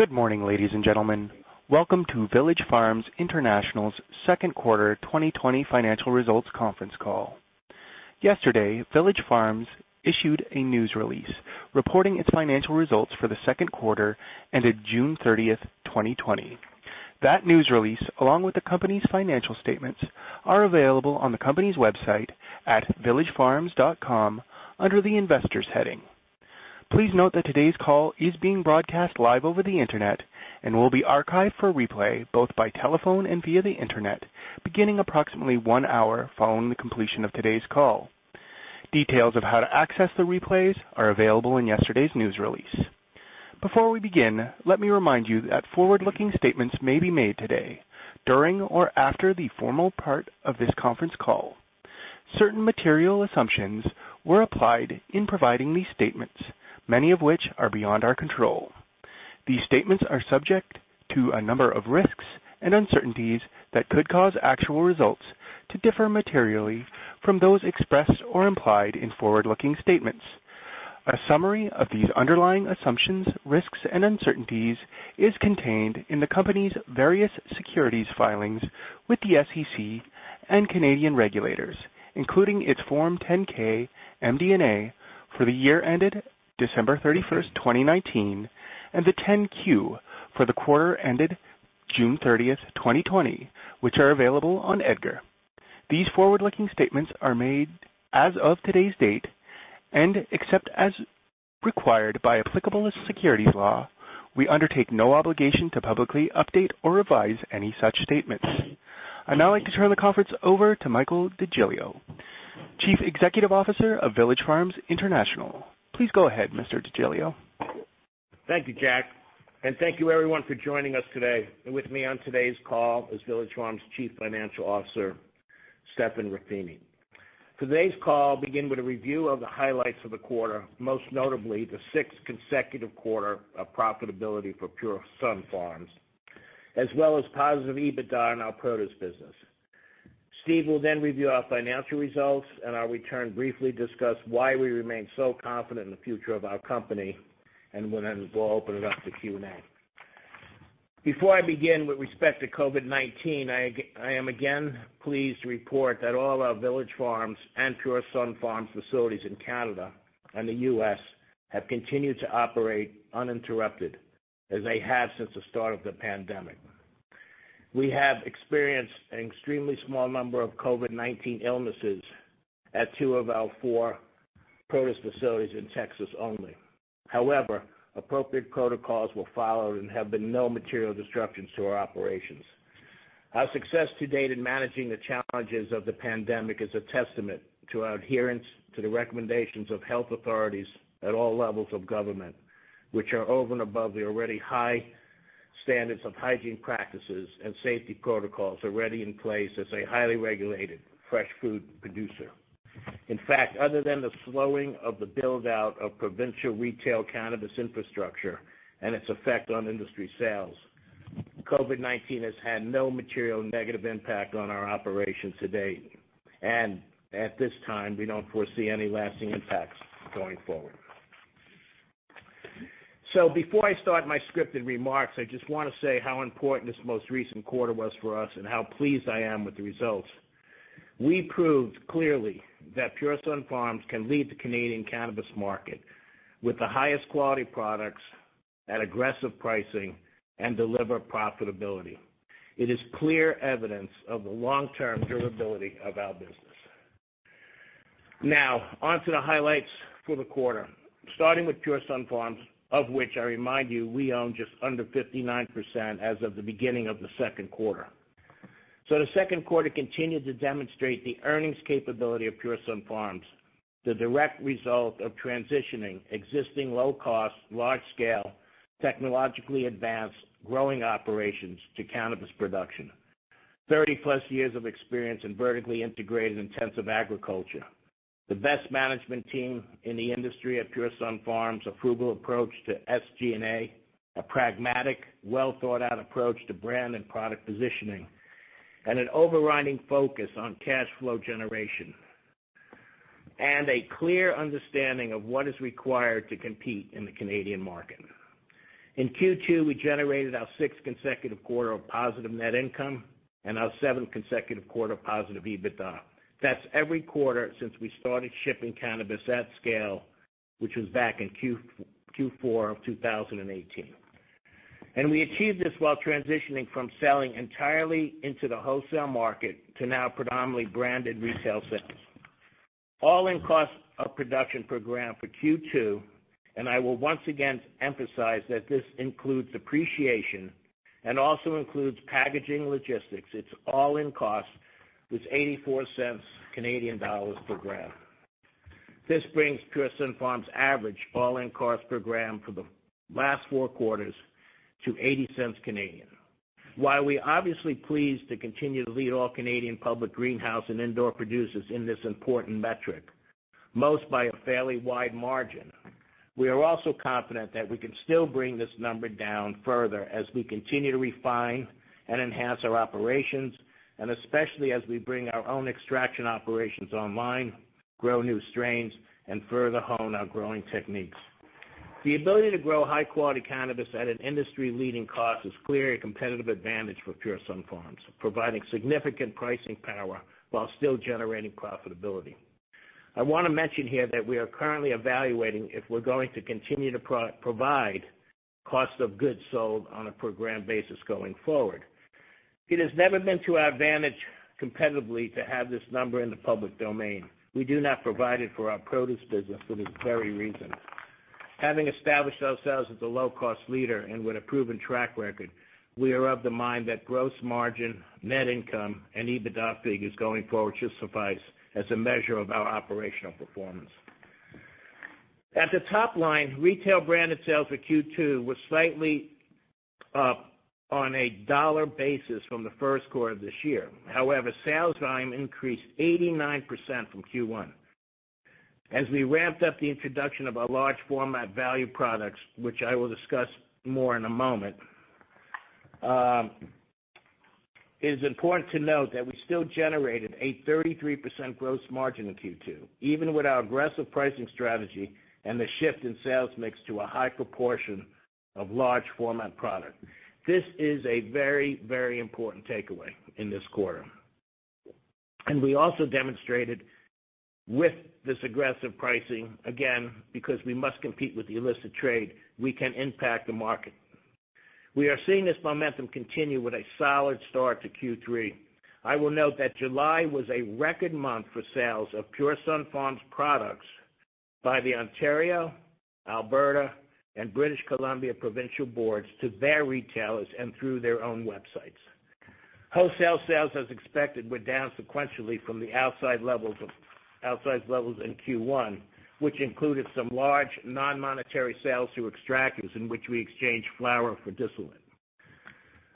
Good morning, ladies and gentlemen. Welcome to Village Farms International's second quarter 2020 financial results conference call. Yesterday, Village Farms issued a news release reporting its financial results for the second quarter ended June 30th, 2020. That news release, along with the company's financial statements, are available on the company's website at villagefarms.com under the Investors heading. Please note that today's call is being broadcast live over the internet and will be archived for replay, both by telephone and via the internet, beginning approximately one hour following the completion of today's call. Details of how to access the replays are available in yesterday's news release. Before we begin, let me remind you that forward-looking statements may be made today during or after the formal part of this conference call. Certain material assumptions were applied in providing these statements, many of which are beyond our control. These statements are subject to a number of risks and uncertainties that could cause actual results to differ materially from those expressed or implied in forward-looking statements. A summary of these underlying assumptions, risks and uncertainties is contained in the company's various securities filings with the SEC and Canadian regulators, including its Form 10-K MD&A for the year ended December 31st, 2019, and the 10-Q for the quarter ended June 30th, 2020, which are available on EDGAR. These forward-looking statements are made as of today's date, and except as required by applicable securities law, we undertake no obligation to publicly update or revise any such statements. I'd now like to turn the conference over to Michael DeGiglio, Chief Executive Officer of Village Farms International. Please go ahead, Mr. DeGiglio. Thank you, Jack. Thank you everyone for joining us today. With me on today's call is Village Farms Chief Financial Officer, Stephen Ruffini. Today's call will begin with a review of the highlights of the quarter, most notably the sixth consecutive quarter of profitability for Pure Sunfarms, as well as positive EBITDA in our produce business. Steve will then review our financial results, and I will return to briefly discuss why we remain so confident in the future of our company, and we'll then open it up to Q&A. Before I begin, with respect to COVID-19, I am again pleased to report that all our Village Farms and Pure Sunfarms facilities in Canada and the U.S. have continued to operate uninterrupted, as they have since the start of the pandemic. We have experienced an extremely small number of COVID-19 illnesses at two of our four produce facilities in Texas only. However, appropriate protocols were followed, and there have been no material disruptions to our operations. Our success to date in managing the challenges of the pandemic is a testament to our adherence to the recommendations of health authorities at all levels of government, which are over and above the already high standards of hygiene practices and safety protocols already in place as a highly regulated fresh food producer. In fact, other than the slowing of the build-out of provincial retail cannabis infrastructure and its effect on industry sales, COVID-19 has had no material negative impact on our operations to date. At this time, we don't foresee any lasting impacts going forward. Before I start my scripted remarks, I just want to say how important this most recent quarter was for us and how pleased I am with the results. We proved clearly that Pure Sunfarms can lead the Canadian cannabis market with the highest quality products at aggressive pricing and deliver profitability. It is clear evidence of the long-term durability of our business. On to the highlights for the quarter, starting with Pure Sunfarms, of which I remind you, we own just under 59% as of the beginning of the second quarter. The second quarter continued to demonstrate the earnings capability of Pure Sunfarms, the direct result of transitioning existing low-cost, large-scale, technologically advanced growing operations to cannabis production. 30+ years of experience in vertically integrated intensive agriculture, the best management team in the industry at Pure Sunfarms, a frugal approach to SG&A, a pragmatic, well-thought-out approach to brand and product positioning, an overriding focus on cash flow generation, a clear understanding of what is required to compete in the Canadian market. In Q2, we generated our sixth consecutive quarter of positive net income and our seventh consecutive quarter of positive EBITDA. That's every quarter since we started shipping cannabis at scale, which was back in Q4 of 2018. We achieved this while transitioning from selling entirely into the wholesale market to now predominantly branded retail sales. All-in cost of production per gram for Q2, I will once again emphasize that this includes depreciation and also includes packaging logistics. Its all-in cost was CAD 0.84 per gram. This brings Pure Sunfarms average all-in cost per gram for the last four quarters to 0.80. While we're obviously pleased to continue to lead all Canadian public greenhouse and indoor producers in this important metric, most by a fairly wide margin, we are also confident that we can still bring this number down further as we continue to refine and enhance our operations, and especially as we bring our own extraction operations online, grow new strains, and further hone our growing techniques. The ability to grow high-quality cannabis at an industry-leading cost is clearly a competitive advantage for Pure Sunfarms, providing significant pricing power while still generating profitability. I want to mention here that we are currently evaluating if we're going to continue to provide cost of goods sold on a per gram basis going forward. It has never been to our advantage competitively to have this number in the public domain. We do not provide it for our produce business for this very reason. Having established ourselves as a low-cost leader and with a proven track record, we are of the mind that gross margin, net income, and EBITDA figures going forward should suffice as a measure of our operational performance. At the top line, retail branded sales for Q2 was slightly up on a dollar basis from the first quarter of this year. However, sales volume increased 89% from Q1. As we ramped up the introduction of our large format value products, which I will discuss more in a moment, it is important to note that we still generated a 33% gross margin in Q2, even with our aggressive pricing strategy and the shift in sales mix to a high proportion of large format product. This is a very important takeaway in this quarter. We also demonstrated with this aggressive pricing, again, because we must compete with the illicit trade, we can impact the market. We are seeing this momentum continue with a solid start to Q3. I will note that July was a record month for sales of Pure Sunfarms products by the Ontario, Alberta, and British Columbia provincial boards to their retailers and through their own websites. Wholesale sales, as expected, were down sequentially from the outside levels in Q1, which included some large non-monetary sales to extractors in which we exchanged flower for distillate.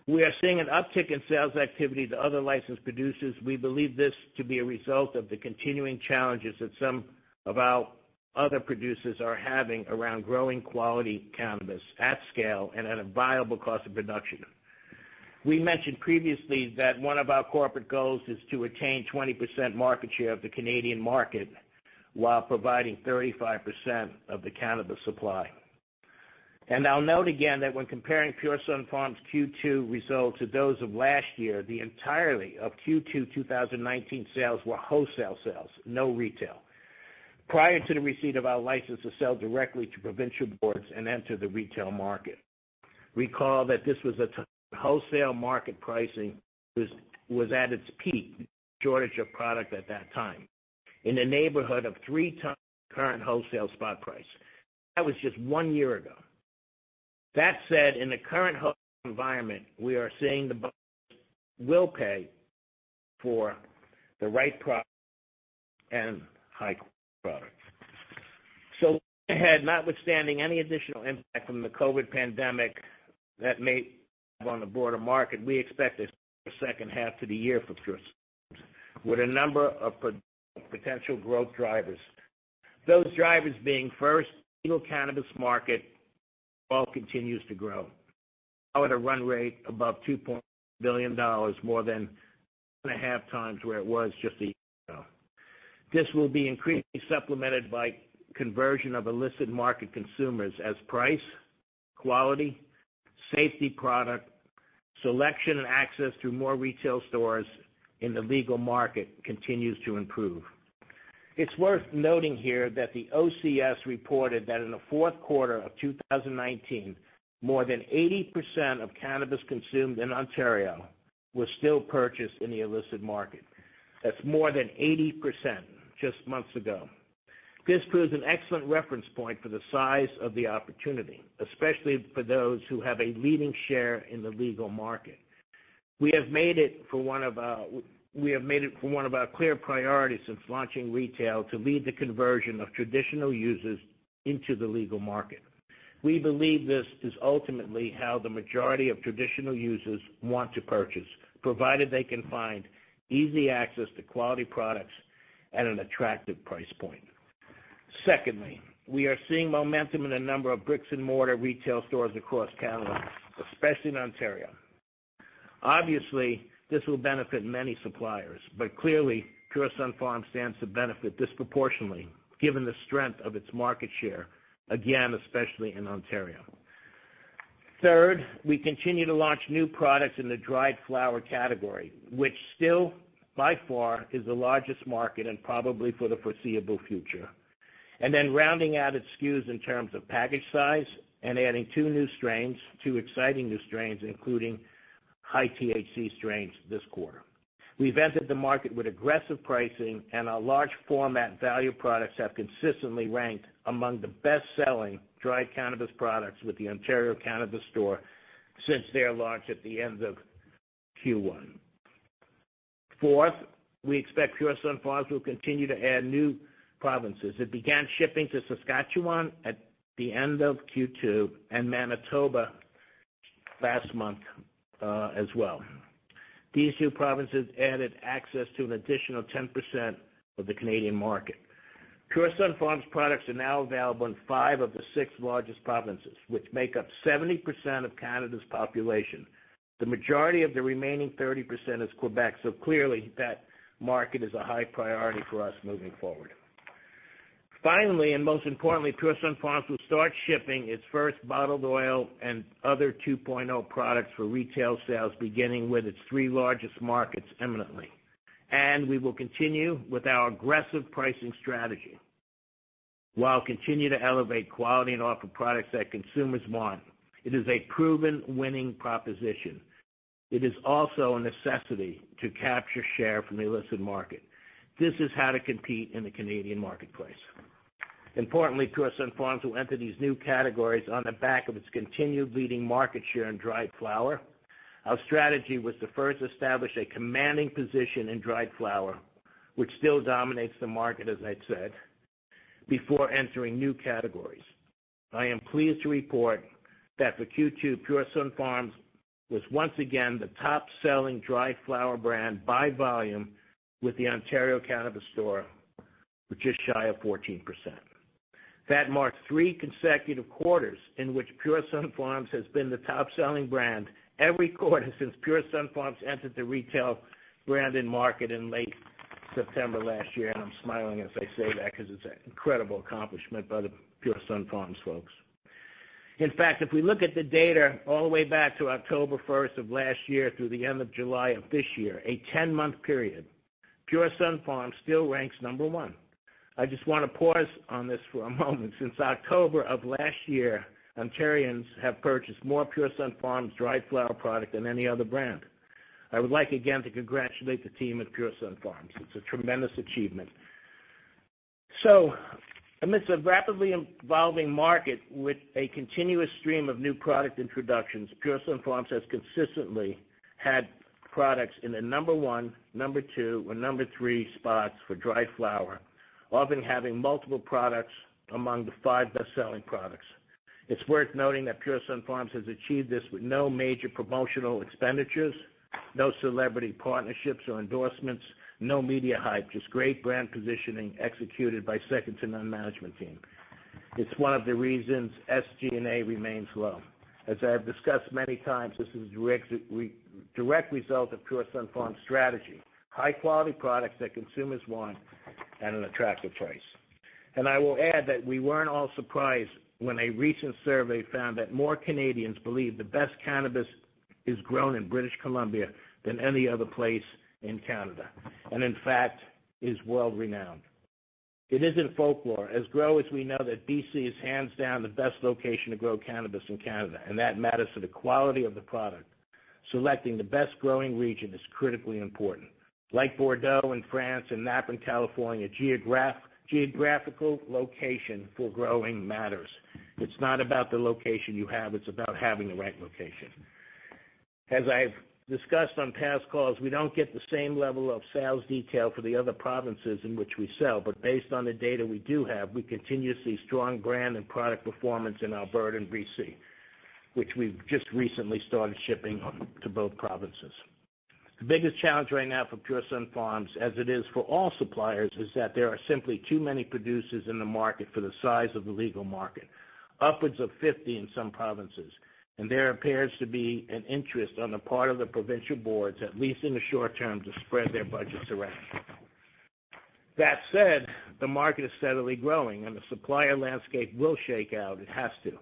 We are seeing an uptick in sales activity to other licensed producers. We believe this to be a result of the continuing challenges that some of our other producers are having around growing quality cannabis at scale and at a viable cost of production. We mentioned previously that one of our corporate goals is to attain 20% market share of the Canadian market while providing 35% of the cannabis supply. I'll note again that when comparing Pure Sunfarms' Q2 results to those of last year, the entirety of Q2 2019 sales were wholesale sales, no retail prior to the receipt of our license to sell directly to provincial boards and enter the retail market. Recall that this was at a wholesale market pricing was at its peak, shortage of product at that time, in the neighborhood of 3x the current wholesale spot price. That was just one year ago. That said, in the current environment, we are seeing the buyers will pay for the right product and high-quality product. Looking ahead, notwithstanding any additional impact from the COVID-19 pandemic that may have on the broader market, we expect a strong second half to the year for Pure Sunfarms, with a number of potential growth drivers. Those drivers being, first, legal cannabis market overall continues to grow, now at a run rate above 2.2 billion dollars, more than two and a half times where it was just a year ago. This will be increasingly supplemented by conversion of illicit market consumers as price, quality, safety product, selection and access to more retail stores in the legal market continues to improve. It's worth noting here that the OCS reported that in the fourth quarter of 2019, more than 80% of cannabis consumed in Ontario was still purchased in the illicit market. That's more than 80% just months ago. This proves an excellent reference point for the size of the opportunity, especially for those who have a leading share in the legal market. We have made it one of our clear priorities since launching retail to lead the conversion of traditional users into the legal market. We believe this is ultimately how the majority of traditional users want to purchase, provided they can find easy access to quality products at an attractive price point. Secondly, we are seeing momentum in a number of bricks-and-mortar retail stores across Canada, especially in Ontario. Obviously, this will benefit many suppliers, but clearly, Pure Sunfarms stands to benefit disproportionately given the strength of its market share, again, especially in Ontario. Third, we continue to launch new products in the dried flower category, which still, by far, is the largest market and probably for the foreseeable future. Rounding out its SKUs in terms of package size and adding two new strains, two exciting new strains, including high-THC strains this quarter. We've entered the market with aggressive pricing. Our large format value products have consistently ranked among the best-selling dried cannabis products with the Ontario Cannabis Store since their launch at the end of Q1. Fourth, we expect Pure Sunfarms will continue to add new provinces. It began shipping to Saskatchewan at the end of Q2 and Manitoba last month as well. These two provinces added access to an additional 10% of the Canadian market. Pure Sunfarms products are now available in five of the six largest provinces, which make up 70% of Canada's population. The majority of the remaining 30% of Quebec clearly that market is a high priority for us moving forward. Most importantly, Pure Sunfarms will start shipping its first bottled oil and other Cannabis 2.0 products for retail sales, beginning with its three largest markets imminently. We will continue with our aggressive pricing strategy, while continue to elevate quality and offer products that consumers want. It is a proven winning proposition. It is also a necessity to capture share from the illicit market. This is how to compete in the Canadian marketplace. Importantly, Pure Sunfarms will enter these new categories on the back of its continued leading market share in dried flower. Our strategy was to first establish a commanding position in dried flower, which still dominates the market, as I said, before entering new categories. I am pleased to report that for Q2, Pure Sunfarms was once again the top-selling dried flower brand by volume with the Ontario Cannabis Store, with just shy of 14%. That marks three consecutive quarters in which Pure Sunfarms has been the top-selling brand every quarter since Pure Sunfarms entered the retail branded market in late September last year. I'm smiling as I say that because it's an incredible accomplishment by the Pure Sunfarms folks. In fact, if we look at the data all the way back to October 1st of last year through the end of July of this year, a 10-month period, Pure Sunfarms still ranks number one. I just want to pause on this for a moment. Since October of last year, Ontarians have purchased more Pure Sunfarms dried flower product than any other brand. I would like again to congratulate the team at Pure Sunfarms. It's a tremendous achievement. Amidst a rapidly evolving market with a continuous stream of new product introductions, Pure Sunfarms has consistently had products in the number one, number two, or number three spots for dried flower, often having multiple products among the five best-selling products. It's worth noting that Pure Sunfarms has achieved this with no major promotional expenditures, no celebrity partnerships or endorsements, no media hype, just great brand positioning executed by second-to-none management team. It's one of the reasons SG&A remains low. As I have discussed many times, this is a direct result of Pure Sunfarms' strategy, high-quality products that consumers want at an attractive price. I will add that we weren't all surprised when a recent survey found that more Canadians believe the best cannabis is grown in British Columbia than any other place in Canada, and in fact, is world-renowned. It is in folklore. As growers, we know that BC is hands down the best location to grow cannabis in Canada, and that matters to the quality of the product. Selecting the best growing region is critically important. Like Bordeaux in France and Napa in California, geographical location for growing matters. It's not about the location you have, it's about having the right location. As I've discussed on past calls, we don't get the same level of sales detail for the other provinces in which we sell, but based on the data we do have, we continue to see strong brand and product performance in Alberta and BC, which we've just recently started shipping to both provinces. The biggest challenge right now for Pure Sunfarms, as it is for all suppliers, is that there are simply too many producers in the market for the size of the legal market, upwards of 50 in some provinces. There appears to be an interest on the part of the provincial boards, at least in the short term, to spread their budgets around. That said, the market is steadily growing, and the supplier landscape will shake out. It has to.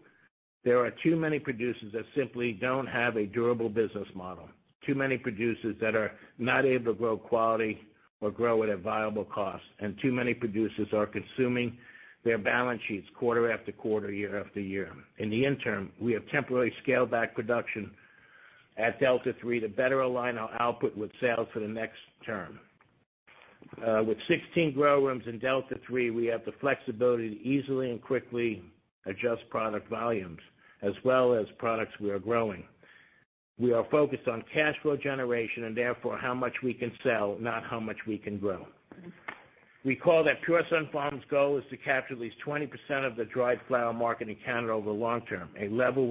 There are too many producers that simply don't have a durable business model, too many producers that are not able to grow quality or grow it at viable costs, and too many producers are consuming their balance sheets quarter-after-quarter, year after year. In the interim, we have temporarily scaled back production at Delta-3 to better align our output with sales for the next term. With 16 grow rooms in Delta-3, we have the flexibility to easily and quickly adjust product volumes as well as products we are growing. We are focused on cash flow generation and therefore how much we can sell, not how much we can grow. Recall that Pure Sunfarms' goal is to capture at least 20% of the dried flower market in Canada over the long term, a level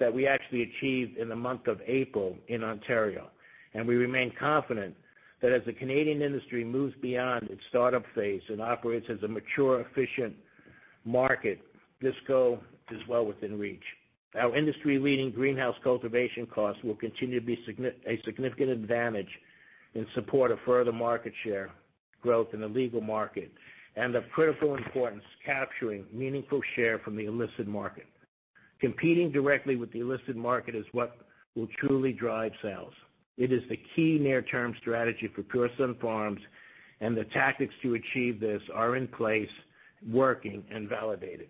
that we actually achieved in the month of April in Ontario. We remain confident that as the Canadian industry moves beyond its startup phase and operates as a mature, efficient market, this goal is well within reach. Our industry-leading greenhouse cultivation costs will continue to be a significant advantage in support of further market share growth in the legal market and of critical importance, capturing meaningful share from the illicit market. Competing directly with the illicit market is what will truly drive sales. It is the key near-term strategy for Pure Sunfarms, and the tactics to achieve this are in place, working, and validated.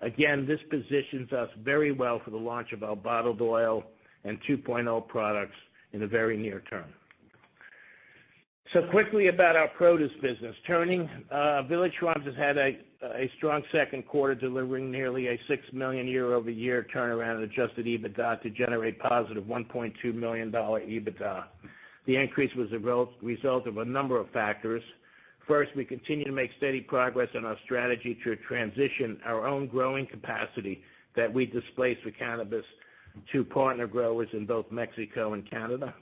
This positions us very well for the launch of our bottled oil and 2.0 products in the very near term. Quickly about our produce business. Village Farms has had a strong second quarter, delivering nearly a 6 million year-over-year turnaround in adjusted EBITDA to generate positive 1.2 million dollar EBITDA. The increase was a result of a number of factors. First, we continue to make steady progress on our strategy to transition our own growing capacity that we displaced with cannabis to partner growers in both Mexico and Canada.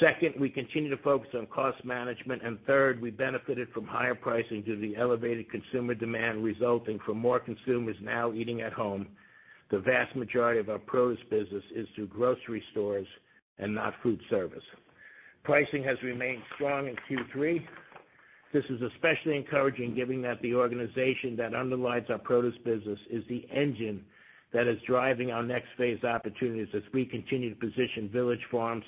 Second, we continue to focus on cost management. Third, we benefited from higher pricing due to the elevated consumer demand resulting from more consumers now eating at home. The vast majority of our produce business is through grocery stores and not food service. Pricing has remained strong in Q3. This is especially encouraging given that the organization that underlies our produce business is the engine that is driving our next phase opportunities as we continue to position Village Farms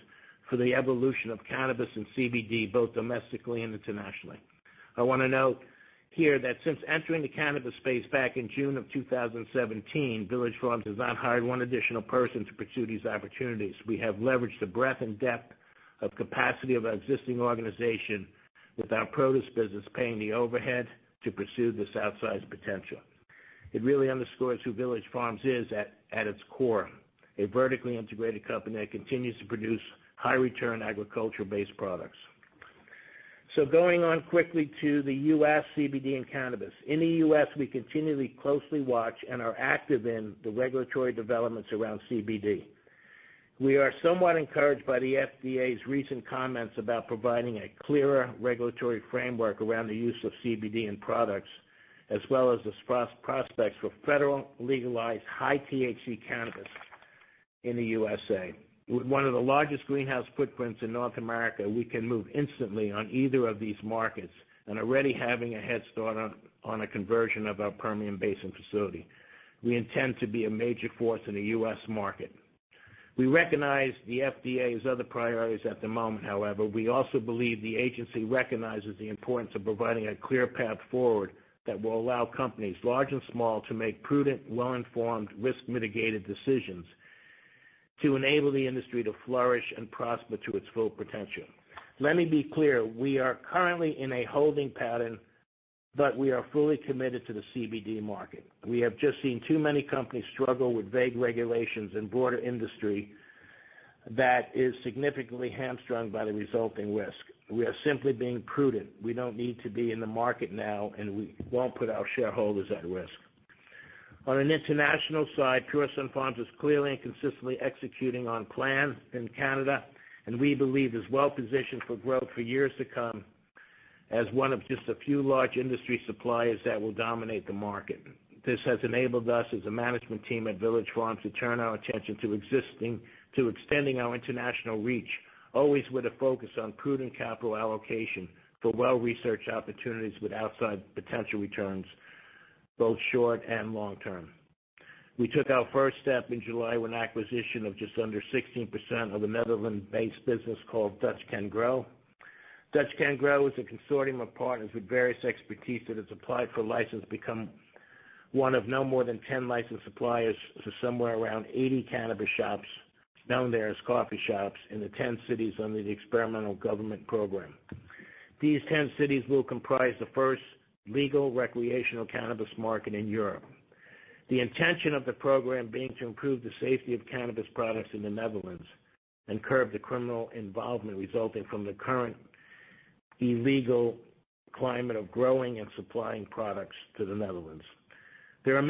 for the evolution of cannabis and CBD, both domestically and internationally. I want to note here that since entering the cannabis space back in June of 2017, Village Farms has not hired one additional person to pursue these opportunities. We have leveraged the breadth and depth of capacity of our existing organization, with our produce business paying the overhead to pursue this outsized potential. It really underscores who Village Farms is at its core, a vertically integrated company that continues to produce high-return, agriculture-based products. Going on quickly to the U.S. CBD and cannabis. In the U.S., we continually closely watch and are active in the regulatory developments around CBD. We are somewhat encouraged by the FDA's recent comments about providing a clearer regulatory framework around the use of CBD in products, as well as the prospects for federal legalized high-THC cannabis in the U.S. With one of the largest greenhouse footprints in North America, we can move instantly on either of these markets and already having a head start on a conversion of our Permian Basin facility. We intend to be a major force in the U.S. market. We recognize the FDA's other priorities at the moment, however, we also believe the agency recognizes the importance of providing a clear path forward that will allow companies, large and small, to make prudent, well-informed, risk-mitigated decisions to enable the industry to flourish and prosper to its full potential. Let me be clear. We are currently in a holding pattern, but we are fully committed to the CBD market. We have just seen too many companies struggle with vague regulations and broader industry that is significantly hamstrung by the resulting risk. We are simply being prudent. We don't need to be in the market now, and we won't put our shareholders at risk. On an international side, Pure Sunfarms is clearly and consistently executing on plans in Canada, and we believe is well positioned for growth for years to come as one of just a few large industry suppliers that will dominate the market. This has enabled us as a management team at Village Farms to turn our attention to extending our international reach, always with a focus on prudent capital allocation for well-researched opportunities with outside potential returns, both short and long term. We took our first step in July with an acquisition of just under 16% of a Netherlands-based business called DutchCanGrow. DutchCanGrow is a consortium of partners with various expertise that has applied for a license to become one of no more than 10 licensed suppliers to somewhere around 80 cannabis shops, known there as coffee shops, in the 10 cities under the experimental government program. These 10 cities will comprise the first legal recreational cannabis market in Europe. The intention of the program being to improve the safety of cannabis products in the Netherlands and curb the criminal involvement resulting from the current illegal climate of growing and supplying products to the Netherlands. We are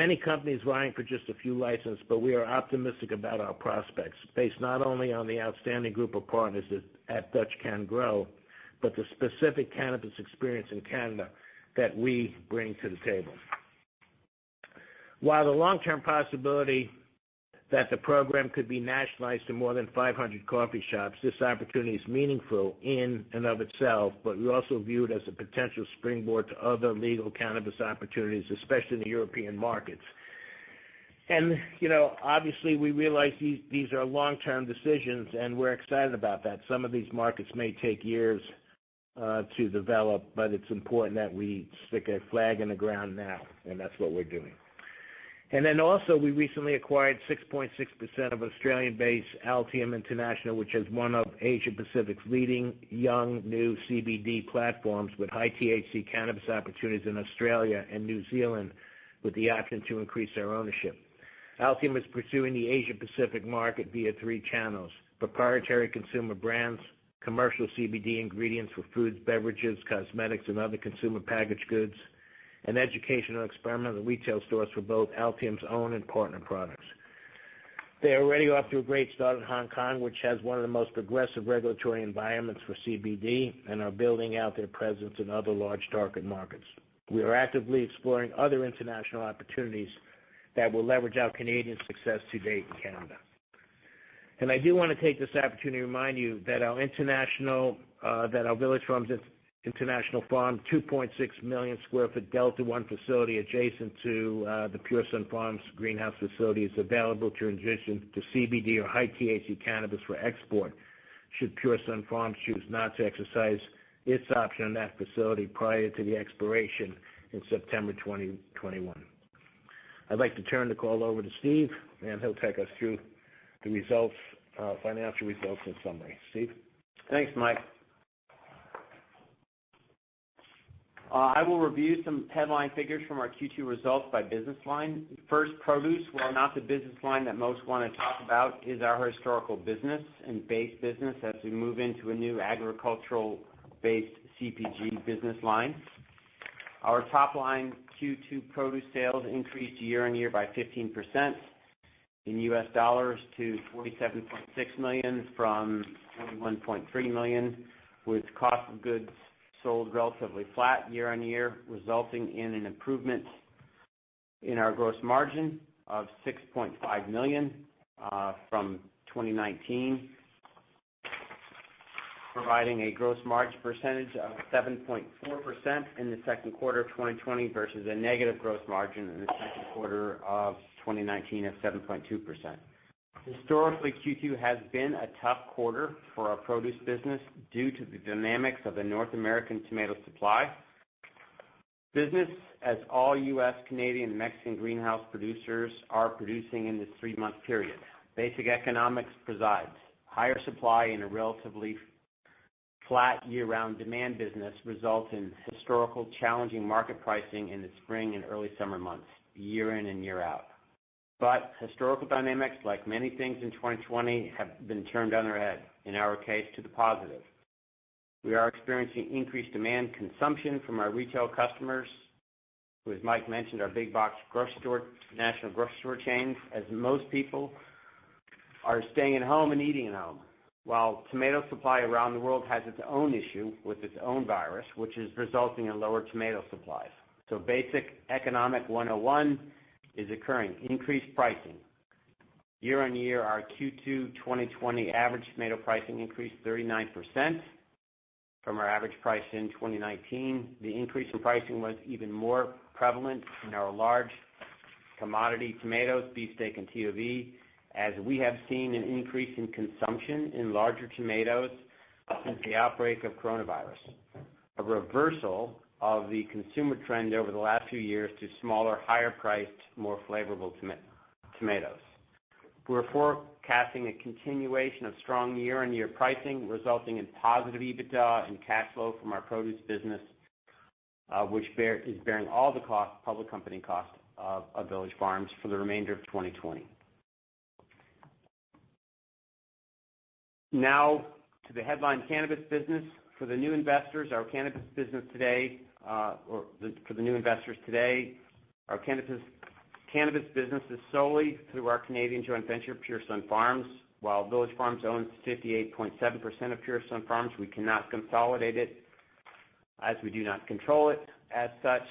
optimistic about our prospects, based not only on the outstanding group of partners at DutchCanGrow, but the specific cannabis experience in Canada that we bring to the table. While the long-term possibility that the program could be nationalized to more than 500 coffee shops, this opportunity is meaningful in and of itself, but we also view it as a potential springboard to other legal cannabis opportunities, especially in the European markets. Obviously, we realize these are long-term decisions, and we're excited about that. Some of these markets may take years to develop, but it's important that we stick a flag in the ground now, and that's what we're doing. Also, we recently acquired 6.6% of Australian-based Altum International, which is one of Asia Pacific's leading young, new CBD platforms with high-THC cannabis opportunities in Australia and New Zealand, with the option to increase our ownership. Altum is pursuing the Asia Pacific market via three channels: proprietary consumer brands, commercial CBD ingredients for foods, beverages, cosmetics, and other consumer packaged goods, and educational experimental retail stores for both Altum's own and partner products. They are already off to a great start in Hong Kong, which has one of the most progressive regulatory environments for CBD and are building out their presence in other large target markets. We are actively exploring other international opportunities that will leverage our Canadian success to date in Canada. I do want to take this opportunity to remind you that our Village Farms International's farm, 2.6-million-square-foot Delta-1 facility adjacent to the Pure Sunfarms greenhouse facility, is available to transition to CBD or high-THC cannabis for export should Pure Sunfarms choose not to exercise its option on that facility prior to the expiration in September 2021. I'd like to turn the call over to Steve, and he'll take us through the financial results in summary. Steve? Thanks, Mike. I will review some headline figures from our Q2 results by business line. First, produce, while not the business line that most want to talk about, is our historical business and base business as we move into a new agricultural-based CPG business line. Our top line Q2 produce sales increased year-on-year by 15% in US dollars to $47.6 million from $21.3 million, with cost of goods sold relatively flat year-on-year, resulting in an improvement in our gross margin of $6.5 million from 2019, providing a gross margin percentage of 7.4% in the second quarter of 2020 versus a negative gross margin in the second quarter of 2019 of 7.2%. Historically, Q2 has been a tough quarter for our produce business due to the dynamics of the North American tomato supply business, as all U.S., Canadian, and Mexican greenhouse producers are producing in this three-month period. Basic economics presides. Higher supply in a relatively flat year-round demand business results in historical challenging market pricing in the spring and early summer months, year in and year out. Historical dynamics, like many things in 2020, have been turned on their head, in our case, to the positive. We are experiencing increased demand consumption from our retail customers who, as Mike mentioned, are big box national grocery store chains, as most people are staying at home and eating at home. Tomato supply around the world has its own issue with its own virus, which is resulting in lower tomato supplies. Basic economic 101 is occurring. Increased pricing. Year-on-year, our Q2 2020 average tomato pricing increased 39% from our average price in 2019. The increase in pricing was even more prevalent in our large commodity tomatoes, beefsteak and TOV, as we have seen an increase in consumption in larger tomatoes since the outbreak of coronavirus. A reversal of the consumer trend over the last few years to smaller, higher priced, more flavorful tomatoes. We're forecasting a continuation of strong year-over-year pricing, resulting in positive EBITDA and cash flow from our produce business, which is bearing all the public company cost of Village Farms for the remainder of 2020. Now to the headline cannabis business. For the new investors today, our cannabis business is solely through our Canadian joint venture, Pure Sunfarms. While Village Farms owns 58.7% of Pure Sunfarms, we cannot consolidate it as we do not control it. As such,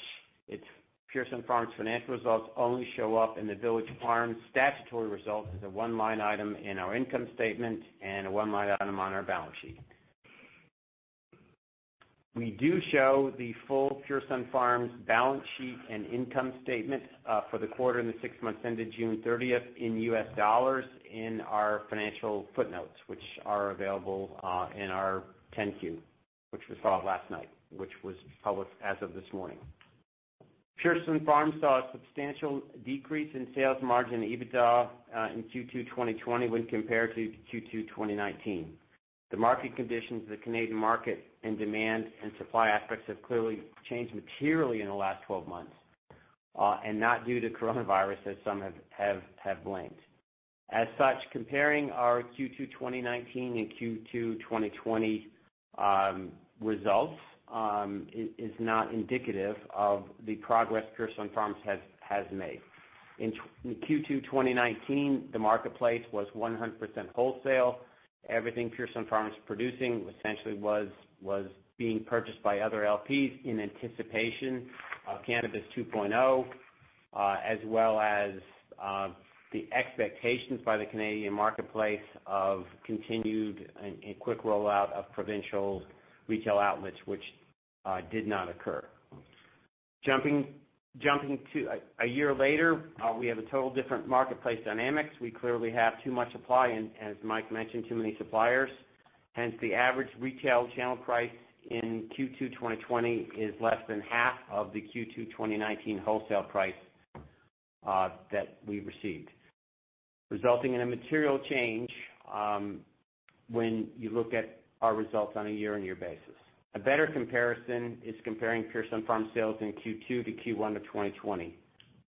Pure Sunfarms' financial results only show up in the Village Farms statutory results as a one-line item in our income statement and a one-line item on our balance sheet. We do show the full Pure Sunfarms balance sheet and income statement for the quarter and the six months ended June 30th in US dollars in our financial footnotes, which are available in our 10-Q, which was filed last night, which was published as of this morning. Pure Sunfarms saw a substantial decrease in sales margin EBITDA in Q2 2020 when compared to Q2 2019. The market conditions of the Canadian market and demand and supply aspects have clearly changed materially in the last 12 months, not due to Coronavirus as some have blamed. As such, comparing our Q2 2019 and Q2 2020 results is not indicative of the progress Pure Sunfarms has made. In Q2 2019, the marketplace was 100% wholesale. Everything Pure Sunfarms was producing essentially was being purchased by other LPs in anticipation of Cannabis 2.0, as well as the expectations by the Canadian marketplace of continued and quick rollout of provincial retail outlets, which did not occur. Jumping to a year later, we have a total different marketplace dynamics. We clearly have too much supply and, as Mike mentioned, too many suppliers. Hence, the average retail channel price in Q2 2020 is less than half of the Q2 2019 wholesale price that we received, resulting in a material change when you look at our results on a year-on-year basis. A better comparison is comparing Pure Sunfarms sales in Q2 to Q1 of 2020,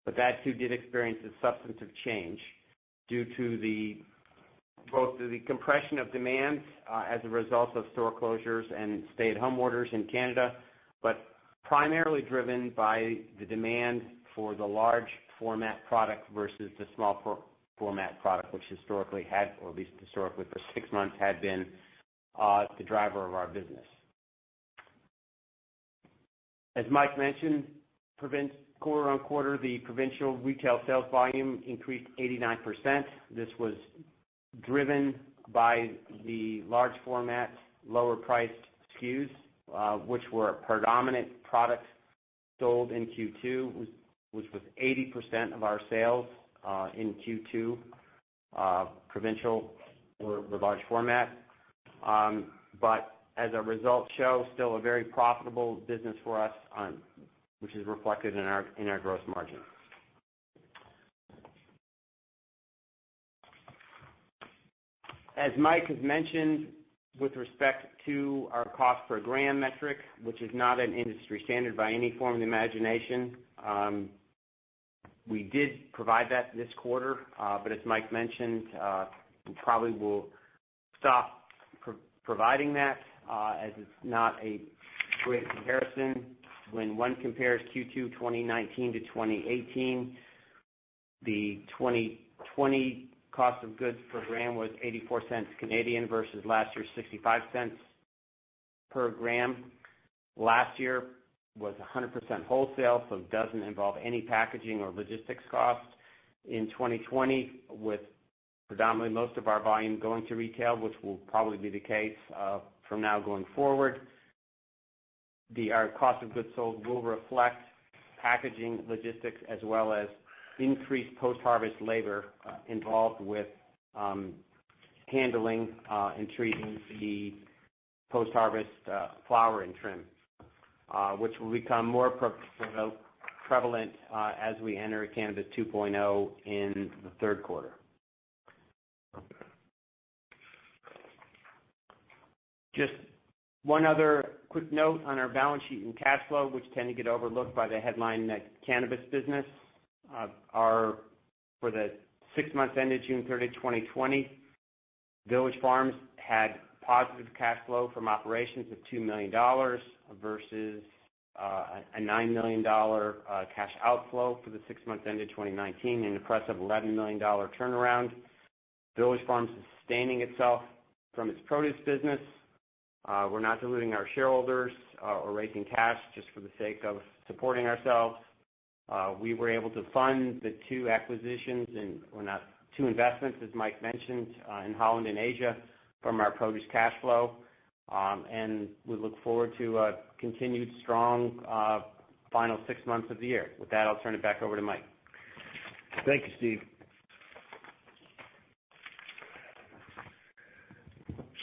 but that too did experience a substantive change due to both the compression of demand as a result of store closures and stay-at-home orders in Canada, but primarily driven by the demand for the large format product versus the small format product, which historically had, or at least historically for six months, had been the driver of our business. As Mike mentioned, quarter-on-quarter, the provincial retail sales volume increased 89%. This was driven by the large format, lower priced SKUs, which were predominant products sold in Q2, which was 80% of our sales in Q2 provincial for large format. As our results show, still a very profitable business for us, which is reflected in our gross margin. As Mike has mentioned with respect to our cost per gram metric, which is not an industry standard by any form of the imagination. We did provide that this quarter, but as Mike mentioned, we probably will stop providing that, as it's not a great comparison. When one compares Q2 2019-2018, the 2020 cost of goods per gram was 0.84 versus last year's 0.65 per gram. Last year was 100% wholesale, so it doesn't involve any packaging or logistics costs. In 2020, with predominantly most of our volume going to retail, which will probably be the case from now going forward, our cost of goods sold will reflect packaging, logistics, as well as increased post-harvest labor involved with handling and treating the post-harvest flower and trim, which will become more prevalent as we enter Cannabis 2.0 in the third quarter. Just one other quick note on our balance sheet and cash flow, which tend to get overlooked by the headline cannabis business. For the six months ended June 30, 2020, Village Farms had positive cash flow from operations of 2 million dollars versus a 9 million dollar cash outflow for the six months ended 2019, an impressive 11 million dollar turnaround. Village Farms is sustaining itself from its produce business. We're not diluting our shareholders or raising cash just for the sake of supporting ourselves. We were able to fund the two investments, as Mike mentioned, in Holland and Asia, from our produce cash flow. We look forward to a continued strong final six months of the year. With that, I'll turn it back over to Mike. Thank you, Steve.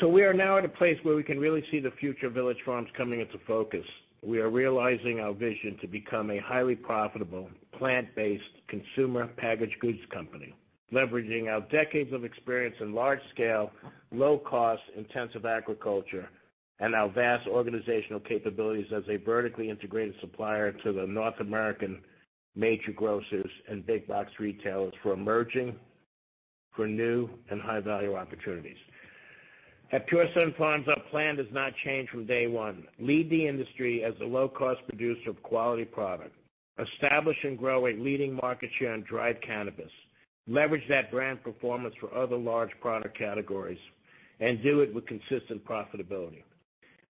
We are now at a place where we can really see the future of Village Farms coming into focus. We are realizing our vision to become a highly profitable, plant-based, consumer packaged goods company, leveraging our decades of experience in large scale, low cost, intensive agriculture and our vast organizational capabilities as a vertically integrated supplier to the North American major grocers and big box retailers for emerging, new, and high value opportunities. At Pure Sunfarms, our plan does not change from day one: Lead the industry as a low cost producer of quality product, establish and grow a leading market share in dried cannabis, leverage that brand performance for other large product categories, and do it with consistent profitability.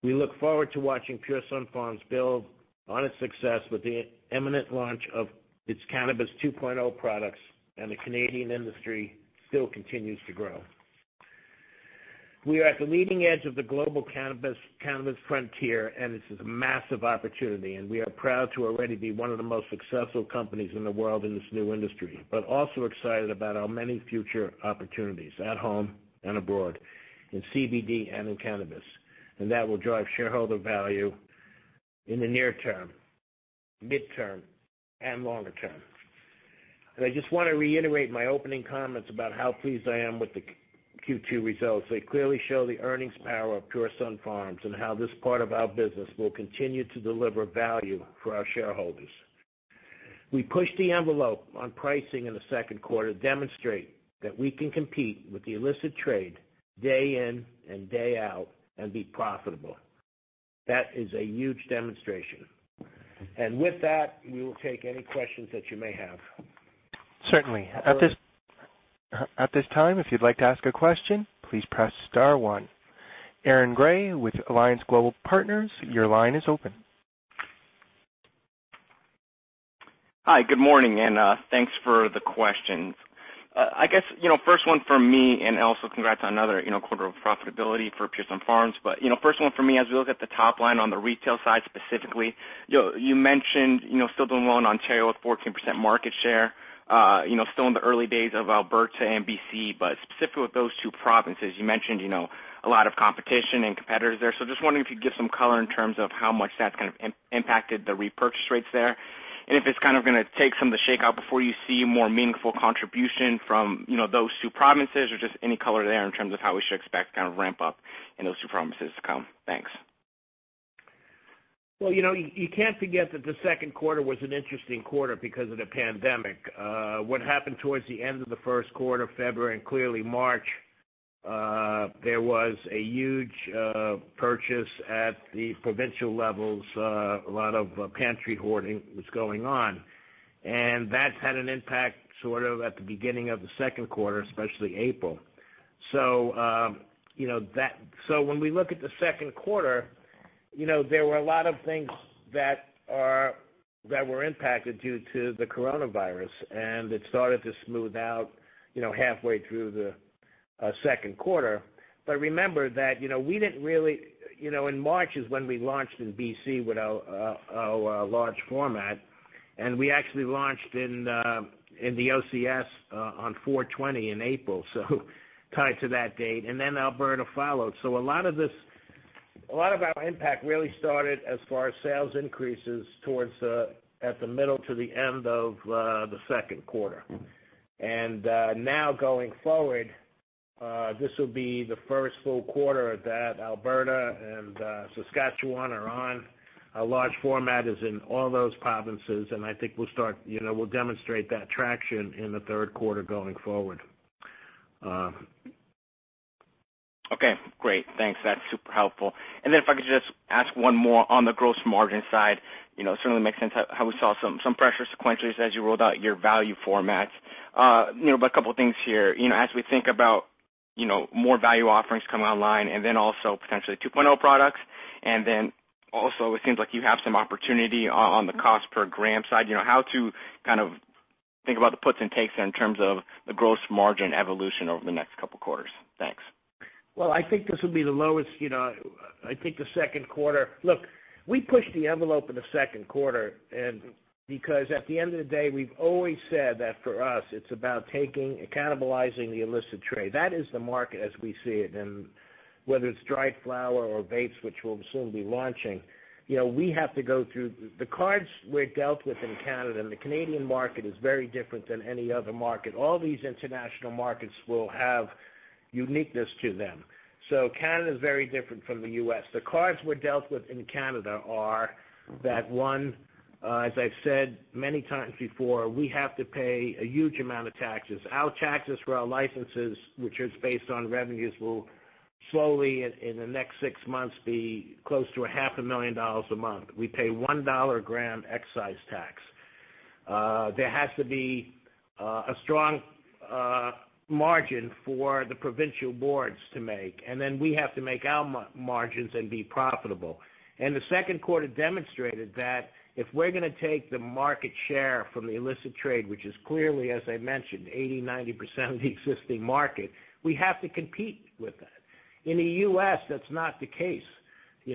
We look forward to watching Pure Sunfarms build on its success with the imminent launch of its Cannabis 2.0 products. The Canadian industry still continues to grow. We are at the leading edge of the global cannabis frontier. This is a massive opportunity. We are proud to already be one of the most successful companies in the world in this new industry, also excited about our many future opportunities at home and abroad, in CBD and in cannabis. That will drive shareholder value in the near term, midterm, and longer term. I just want to reiterate my opening comments about how pleased I am with the Q2 results. They clearly show the earnings power of Pure Sunfarms and how this part of our business will continue to deliver value for our shareholders. We pushed the envelope on pricing in the second quarter to demonstrate that we can compete with the illicit trade day in and day out and be profitable. That is a huge demonstration. With that, we will take any questions that you may have. Certainly. At this time, if you'd like to ask a question, please press star one. Aaron Grey with Alliance Global Partners, your line is open. Hi, good morning, and thanks for the questions. I guess, first one from me, and also congrats on another quarter of profitability for Pure Sunfarms. First one for me, as we look at the top line on the retail side specifically, you mentioned still doing well in Ontario with 14% market share, still in the early days of Alberta and BC, but specifically with those two provinces, you mentioned a lot of competition and competitors there. Just wondering if you'd give some color in terms of how much that's kind of impacted the repurchase rates there, and if it's kind of going to take some of the shakeout before you see more meaningful contribution from those two provinces, or just any color there in terms of how we should expect kind of ramp up in those two provinces to come. Thanks. Well, you can't forget that the second quarter was an interesting quarter because of the pandemic. What happened towards the end of the first quarter, February and clearly March, there was a huge purchase at the provincial levels. A lot of pantry hoarding was going on. That's had an impact sort of at the beginning of the second quarter, especially April. When we look at the second quarter, there were a lot of things that were impacted due to the Coronavirus, and it started to smooth out halfway through the second quarter. Remember that in March is when we launched in BC with our large format, and we actually launched in the OCS on 4/20 in April, so tied to that date, and then Alberta followed. A lot of our impact really started as far as sales increases towards the middle to the end of the second quarter. Now going forward. This will be the first full quarter that Alberta and Saskatchewan are on. Our large format is in all those provinces, and I think we'll demonstrate that traction in the third quarter going forward. Okay, great. Thanks. That's super helpful. If I could just ask one more on the gross margin side. It certainly makes sense how we saw some pressure sequentially as you rolled out your value formats. A couple things here. As we think about more value offerings coming online, then also potentially 2.0 products, then also it seems like you have some opportunity on the cost per gram side, how to kind of think about the puts and takes in terms of the gross margin evolution over the next couple of quarters? Thanks. Well, I think this will be the lowest, I think the second quarter. Look, we pushed the envelope in the second quarter, because at the end of the day, we've always said that for us, it's about taking and cannibalizing the illicit trade. That is the market as we see it. Whether it's dried flower or vapes, which we'll soon be launching, we have to go through the cards we're dealt with in Canada, and the Canadian market is very different than any other market. All these international markets will have uniqueness to them. Canada is very different from the U.S. The cards we're dealt with in Canada are that one, as I've said many times before, we have to pay a huge amount of taxes. Our taxes for our licenses, which is based on revenues, will slowly, in the next six months, be close to half a million Canadian dollars a month. We pay 1 dollar a gram excise tax. There has to be a strong margin for the provincial boards to make, and then we have to make our margins and be profitable. The second quarter demonstrated that if we're going to take the market share from the illicit trade, which is clearly, as I mentioned, 80%-90% of the existing market, we have to compete with that. In the U.S., that's not the case. The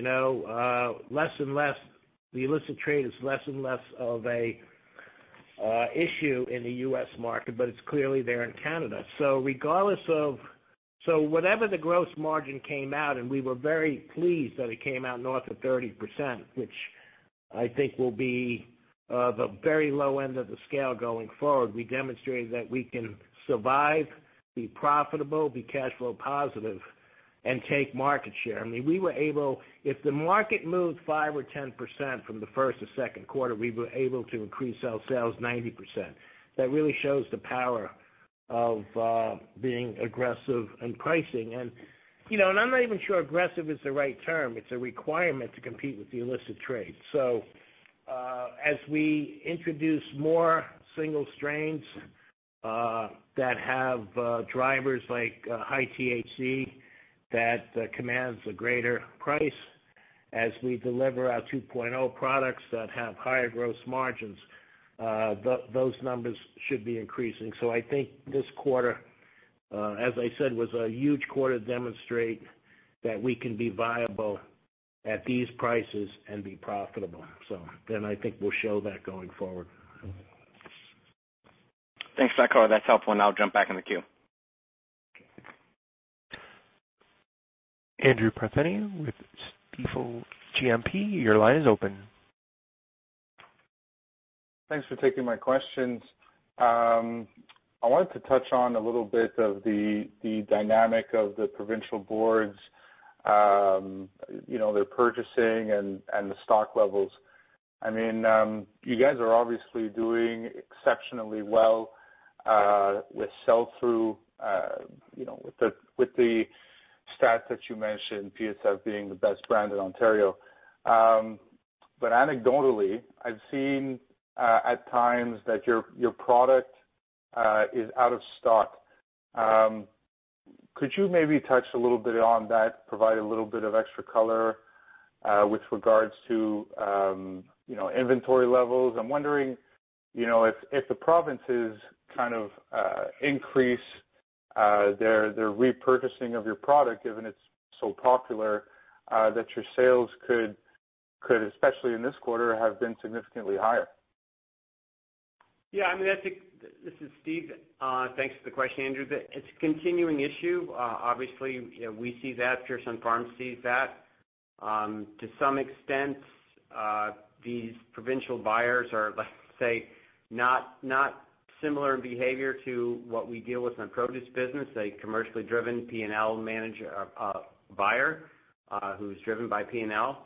illicit trade is less and less of an issue in the U.S. market, but it's clearly there in Canada. Whatever the gross margin came out, and we were very pleased that it came out north of 30%, which I think will be of a very low end of the scale going forward, we demonstrated that we can survive, be profitable, be cash flow positive, and take market share. If the market moved 5% or 10% from the first to second quarter, we were able to increase our sales 90%. That really shows the power of being aggressive in pricing. I'm not even sure aggressive is the right term. It's a requirement to compete with the illicit trade. As we introduce more single strains that have drivers like high THC that commands a greater price, as we deliver our 2.0 products that have higher gross margins, those numbers should be increasing. I think this quarter, as I said, was a huge quarter to demonstrate that we can be viable at these prices and be profitable. I think we'll show that going forward. Thanks, Michael. That's helpful, and I'll jump back in the queue. Andrew Partheniou with Stifel GMP, your line is open. Thanks for taking my questions. I wanted to touch on a little bit of the dynamic of the provincial boards, their purchasing and the stock levels. You guys are obviously doing exceptionally well with sell-through, with the stats that you mentioned, PSF being the best brand in Ontario. Anecdotally, I've seen at times that your product is out of stock. Could you maybe touch a little bit on that, provide a little bit of extra color, with regards to inventory levels? I'm wondering, if the provinces kind of increase their repurchasing of your product, given it's so popular, that your sales could, especially in this quarter, have been significantly higher. Yeah, this is Steve. Thanks for the question, Andrew. It's a continuing issue. Obviously, we see that, Pure Sunfarms sees that. To some extent, these provincial buyers are, let's say, not similar in behavior to what we deal with in our produce business, a commercially driven P&L buyer who's driven by P&L.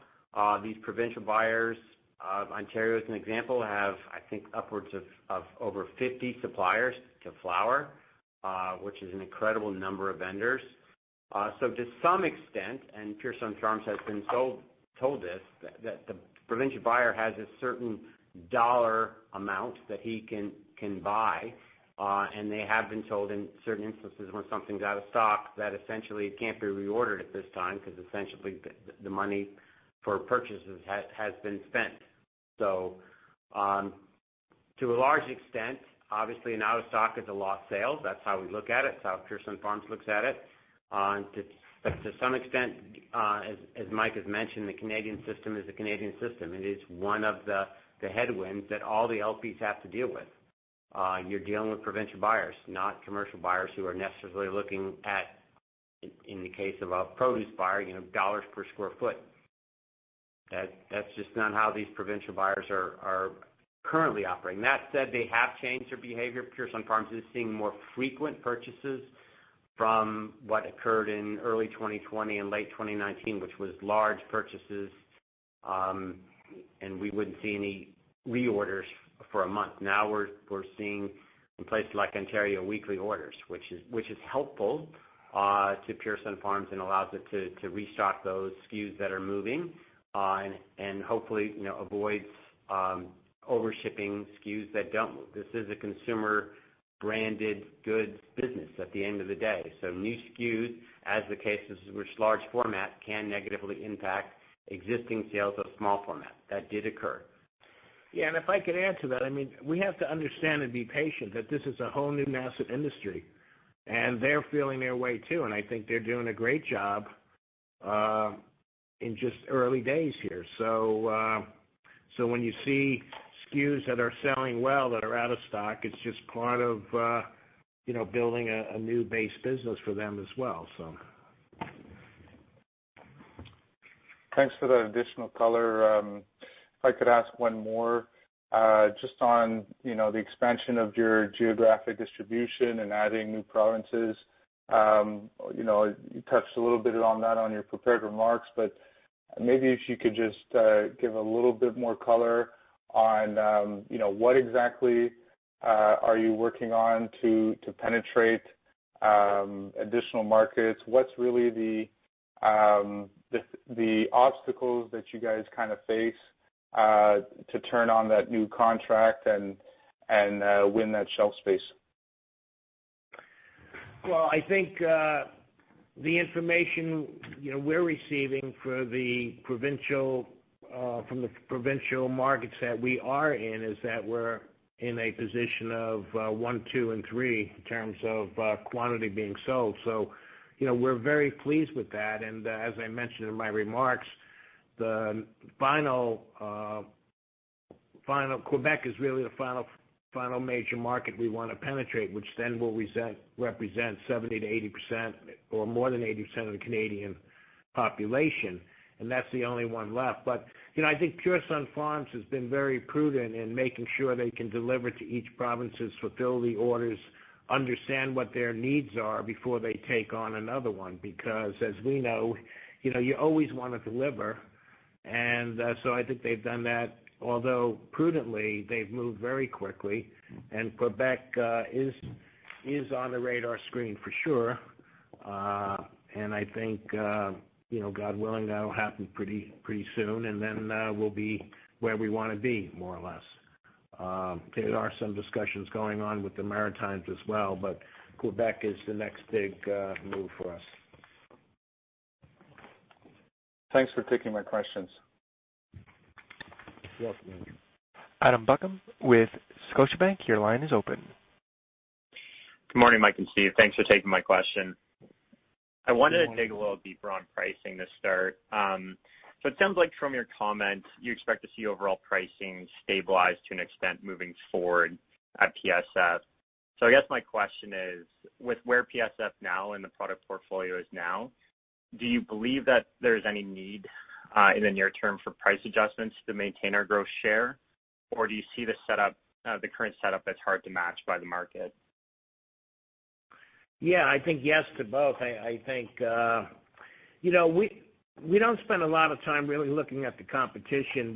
These provincial buyers of Ontario, as an example, have, I think, upwards of over 50 suppliers to flower, which is an incredible number of vendors. To some extent, and Pure Sunfarms has been told this, that the provincial buyer has a certain CAD amount that he can buy. They have been told in certain instances when something's out of stock, that essentially it can't be reordered at this time because essentially the money for purchases has been spent. To a large extent, obviously an out of stock is a lost sale. That's how we look at it. That's how Pure Sunfarms looks at it. To some extent, as Mike has mentioned, the Canadian system is the Canadian system. It is one of the headwinds that all the LPs have to deal with. You're dealing with provincial buyers, not commercial buyers who are necessarily looking at, in the case of a produce buyer, dollars per square foot. That's just not how these provincial buyers are currently operating. That said, they have changed their behavior. Pure Sunfarms is seeing more frequent purchases from what occurred in early 2020 and late 2019, which was large purchases, and we wouldn't see any reorders for a month. Now we're seeing in places like Ontario, weekly orders, which is helpful to Pure Sunfarms and allows it to restock those SKUs that are moving, and hopefully, avoids over-shipping SKUs that don't move. This is a consumer-branded goods business at the end of the day. New SKUs, as the case is, which large format can negatively impact existing sales of small format. That did occur. If I could add to that, we have to understand and be patient that this is a whole new massive industry, and they're feeling their way, too, and I think they're doing a great job in just early days here. When you see SKUs that are selling well that are out of stock, it's just part of building a new base business for them as well. Thanks for that additional color. If I could ask one more, just on the expansion of your geographic distribution and adding new provinces. You touched a little bit on that on your prepared remarks, but maybe if you could just give a little bit more color on what exactly are you working on to penetrate additional markets? What's really the obstacles that you guys kind of face to turn on that new contract and win that shelf space? Well, I think the information we're receiving from the provincial markets that we are in is that we're in a position of one, two, and three in terms of quantity being sold. We're very pleased with that, and as I mentioned in my remarks, Final Quebec is really the final major market we want to penetrate, which then will represent 70%-80% or more than 80% of the Canadian population, and that's the only one left. I think Pure Sunfarms has been very prudent in making sure they can deliver to each province's fulfill the orders, understand what their needs are before they take on another one. Because as we know, you always want to deliver, I think they've done that. Although prudently, they've moved very quickly. Quebec is on the radar screen for sure. I think, God willing, that'll happen pretty soon, then we'll be where we want to be more or less. There are some discussions going on with the Maritimes as well, but Quebec is the next big move for us. Thanks for taking my questions. You're welcome. Adam Buckham with Scotiabank, your line is open. Good morning, Mike and Steve. Thanks for taking my question. Good morning. I wanted to dig a little deeper on pricing to start. It sounds like from your comments you expect to see overall pricing stabilize to an extent moving forward at PSF. I guess my question is, with where PSF now and the product portfolio is now, do you believe that there's any need in the near term for price adjustments to maintain or grow share? Do you see the current setup as hard to match by the market? Yeah, I think yes to both. We don't spend a lot of time really looking at the competition.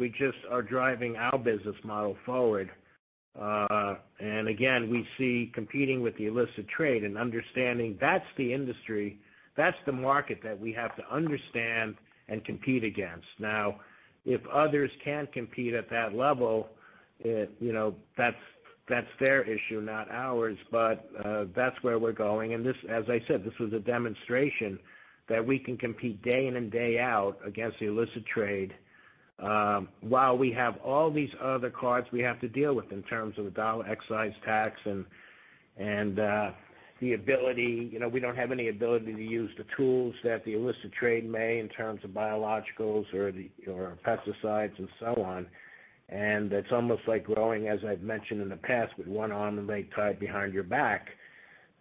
Again, we see competing with the illicit trade and understanding that's the industry, that's the market that we have to understand and compete against. Now, if others can't compete at that level, that's their issue, not ours. That's where we're going. As I said, this was a demonstration that we can compete day in and day out against the illicit trade, while we have all these other cards we have to deal with in terms of the dollar, excise tax, and we don't have any ability to use the tools that the illicit trade may, in terms of biologicals or pesticides and so on. It's almost like rowing, as I've mentioned in the past, with one arm tied behind your back.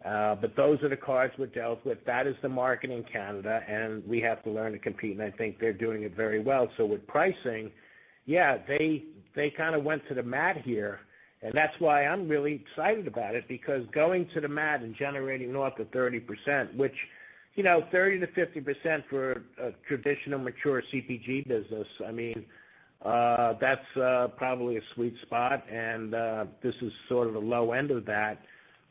Those are the cards we're dealt with. That is the market in Canada, and we have to learn to compete, and I think they're doing it very well. With pricing, yeah, they kind of went to the mat here, and that's why I'm really excited about it, because going to the mat and generating north of 30%, which 30%-50% for a traditional mature CPG business, that's probably a sweet spot, and this is sort of the low end of that.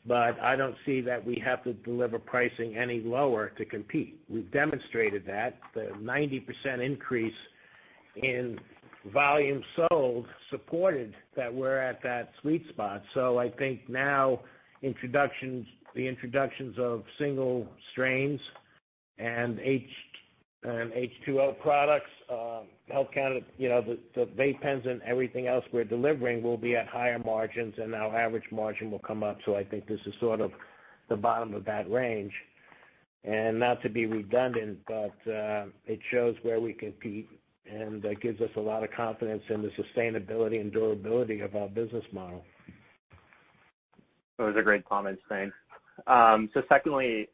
I don't see that we have to deliver pricing any lower to compete. We've demonstrated that. The 90% increase in volume sold supported that we're at that sweet spot. I think now the introductions of single strains and H2O products, the vape pens and everything else we're delivering will be at higher margins, and our average margin will come up like this is sort of the bound to that range. Not to be redundant, but it shows where we compete, and it gives us a lot of confidence in the sustainability and durability of our business model. That was a great comment. Thanks. Secondly,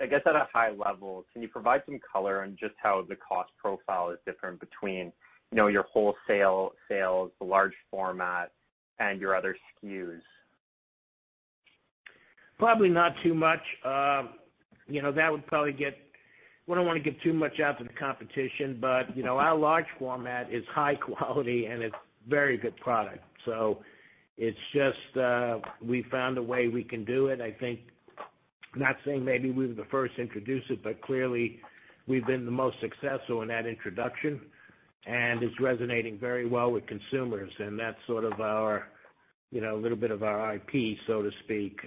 I guess at a high level, can you provide some color on just how the cost profile is different between your wholesale sales, the large format, and your other SKUs? Probably not too much. We don't want to give too much out to the competition, but our large format is high quality, and it's very good product. It's just, we found a way we can do it. I think, not saying maybe we were the first to introduce it, but clearly we've been the most successful in that introduction. It's resonating very well with consumers, and that's sort of our little bit of our IP, so to speak.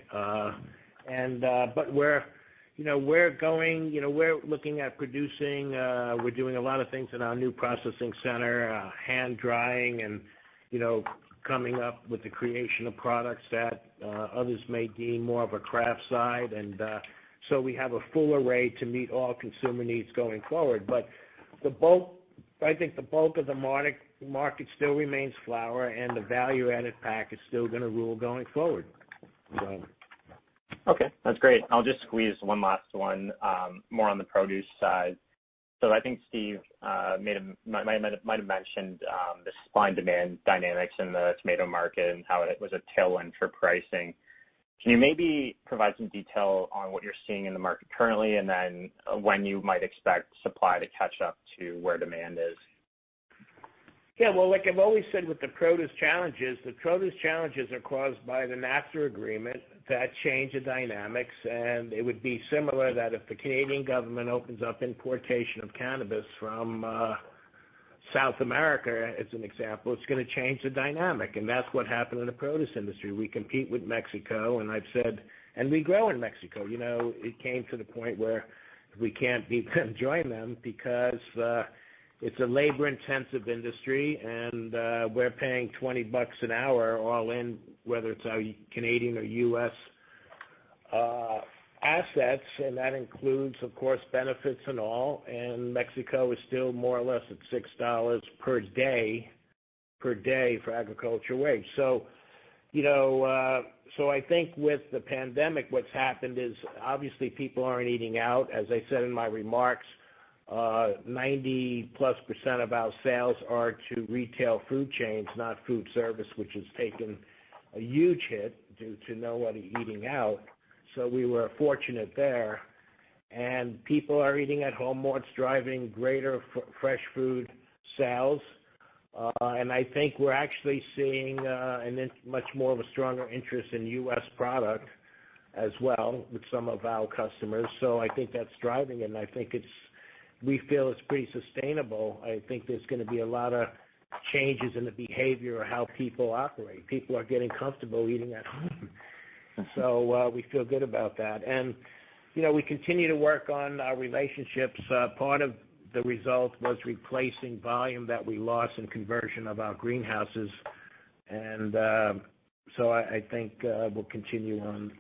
We're looking at producing, we're doing a lot of things in our new processing center, hand drying and coming up with the creation of products that others may deem more of a craft side. We have a full array to meet all consumer needs going forward. I think the bulk of the market still remains flower, and the value-added pack is still going to rule going forward. Okay. That's great. I'll just squeeze one last one, more on the produce side. I think Steve might have mentioned the supply and demand dynamics in the tomato market and how it was a tailwind for pricing. Can you maybe provide some detail on what you're seeing in the market currently, and then when you might expect supply to catch up to where demand is? Well, like I've always said with the produce challenges, the produce challenges are caused by the NAFTA agreement that changed the dynamics. It would be similar that if the Canadian government opens up importation of cannabis from South America, as an example, it's going to change the dynamic. That's what happened in the produce industry. We compete with Mexico, I've said, we grow in Mexico. It came to the point where we can't even join them because it's a labor-intensive industry, and we're paying 20 bucks an hour all in, whether it's our Canadian or U.S. assets, and that includes, of course, benefits and all. Mexico is still more or less at 6 dollars per day for agriculture wage. I think with the pandemic, what's happened is obviously people aren't eating out. As I said in my remarks, 90+% of our sales are to retail food chains, not food service, which has taken a huge hit due to nobody eating out. We were fortunate there. People are eating at home more. It's driving greater fresh food sales. I think we're actually seeing much more of a stronger interest in U.S. product as well with some of our customers. I think that's driving and I think we feel it's pretty sustainable. I think there's going to be a lot of changes in the behavior of how people operate. People are getting comfortable eating at home. We feel good about that. We continue to work on our relationships. Part of the result was replacing volume that we lost in conversion of our greenhouses. I think we'll continue on.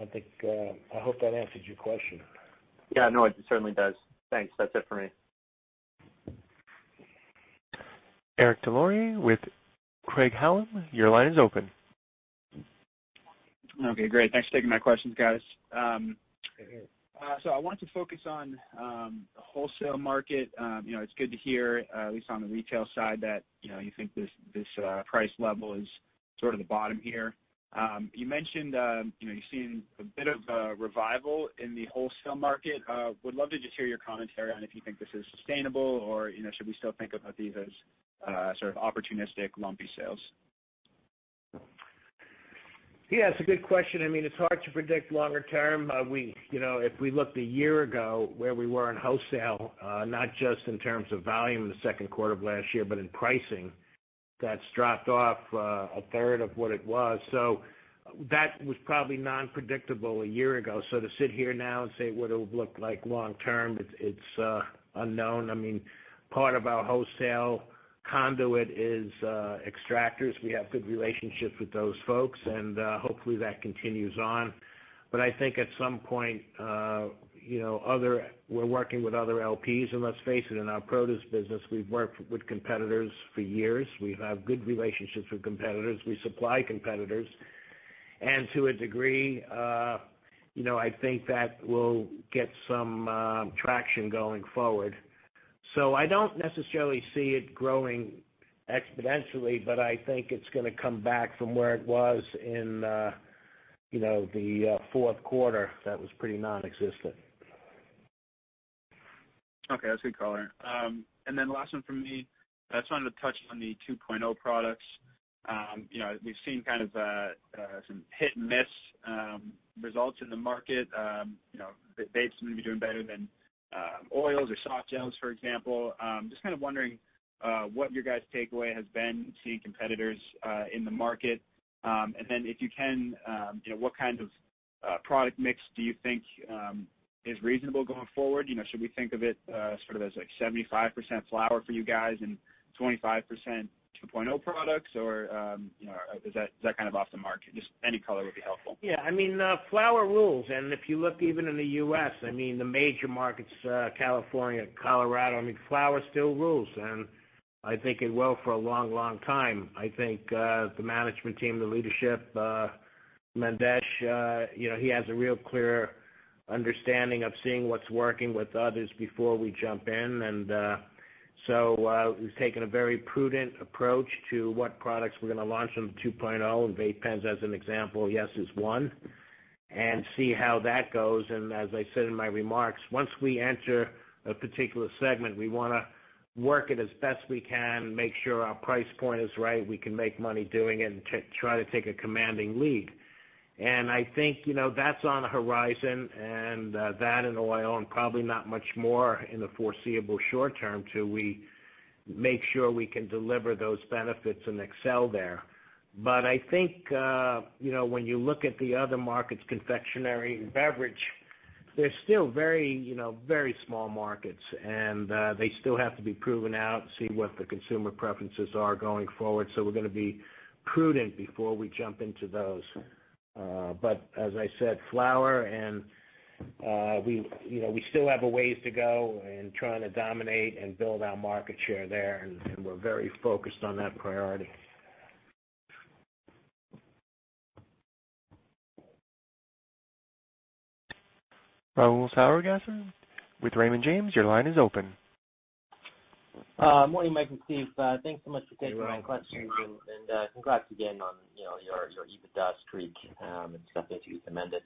I hope that answered your question. Yeah, no, it certainly does. Thanks. That's it for me. Eric Des Lauriers with Craig-Hallum, your line is open. Okay, great. Thanks for taking my questions, guys. Okay. I wanted to focus on the wholesale market. It's good to hear, at least on the retail side, that you think this price level is sort of the bottom here. You mentioned you're seeing a bit of a revival in the wholesale market. I would love to just hear your commentary on if you think this is sustainable or should we still think of these as sort of opportunistic, lumpy sales? Yeah, it's a good question. It's hard to predict longer term. If we looked a year ago where we were in wholesale, not just in terms of volume in the second quarter of last year, but in pricing, that's dropped off a third of what it was. That was probably non-predictable a year ago. To sit here now and say what it'll look like long term, it's unknown. Part of our wholesale conduit is extractors. We have good relationships with those folks, and hopefully, that continues on. I think at some point, we're working with other LPs, and let's face it, in our produce business, we've worked with competitors for years. We have good relationships with competitors. We supply competitors. To a degree I think that will get some traction going forward. I don't necessarily see it growing exponentially, but I think it's going to come back from where it was in the fourth quarter, that was pretty nonexistent. Okay. That's a good color. Last one from me. I just wanted to touch on the 2.0 products. We've seen kind of some hit-and-miss results in the market. Vapes seem to be doing better than oils or soft gels, for example. Just kind of wondering what your guys' takeaway has been seeing competitors in the market. If you can, what kind of product mix do you think is reasonable going forward? Should we think of it sort of as like 75% flower for you guys and 25% 2.0 products, or is that kind of off the mark? Just any color would be helpful. Yeah. Flower rules. If you look even in the U.S., the major markets, California, Colorado, flower still rules. I think it will for a long time. I think the management team, the leadership, Mandesh, he has a real clear understanding of seeing what's working with others before we jump in. We've taken a very prudent approach to what products we're going to launch in the 2.0 of vape pens as an example, yes, is one. See how that goes, and as I said in my remarks, once we enter a particular segment, we want to work it as best we can, make sure our price point is right, we can make money doing it, and try to take a commanding lead. I think, that's on the horizon, and that and oil and probably not much more in the foreseeable short term till we make sure we can deliver those benefits and excel there. I think, when you look at the other markets, confectionery and beverage, they're still very small markets, and they still have to be proven out, see what the consumer preferences are going forward. We're going to be prudent before we jump into those. As I said, flower and we still have a ways to go in trying to dominate and build our market share there, and we're very focused on that priority. Rahul Sarugaser with Raymond James, your line is open. Morning, Mike and Steve. Thanks so much for taking my questions. Hey, Rahul. Congrats again on your EBITDA streak. It's definitely to be commended.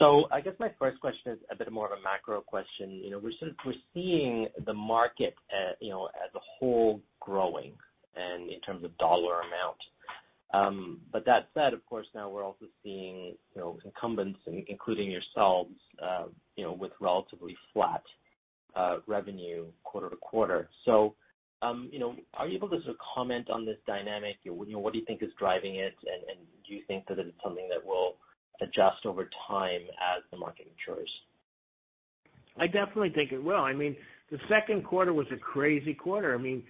I guess my first question is a bit more of a macro question. We're seeing the market as a whole growing and in terms of dollar amount. That said, of course, now we're also seeing incumbents and including yourselves with relatively flat revenue quarter-to-quarter. Are you able to sort of comment on this dynamic? What do you think is driving it, and do you think that it is something that will adjust over time as the market matures? I definitely think it will. I mean, the second quarter was a crazy quarter. I mean,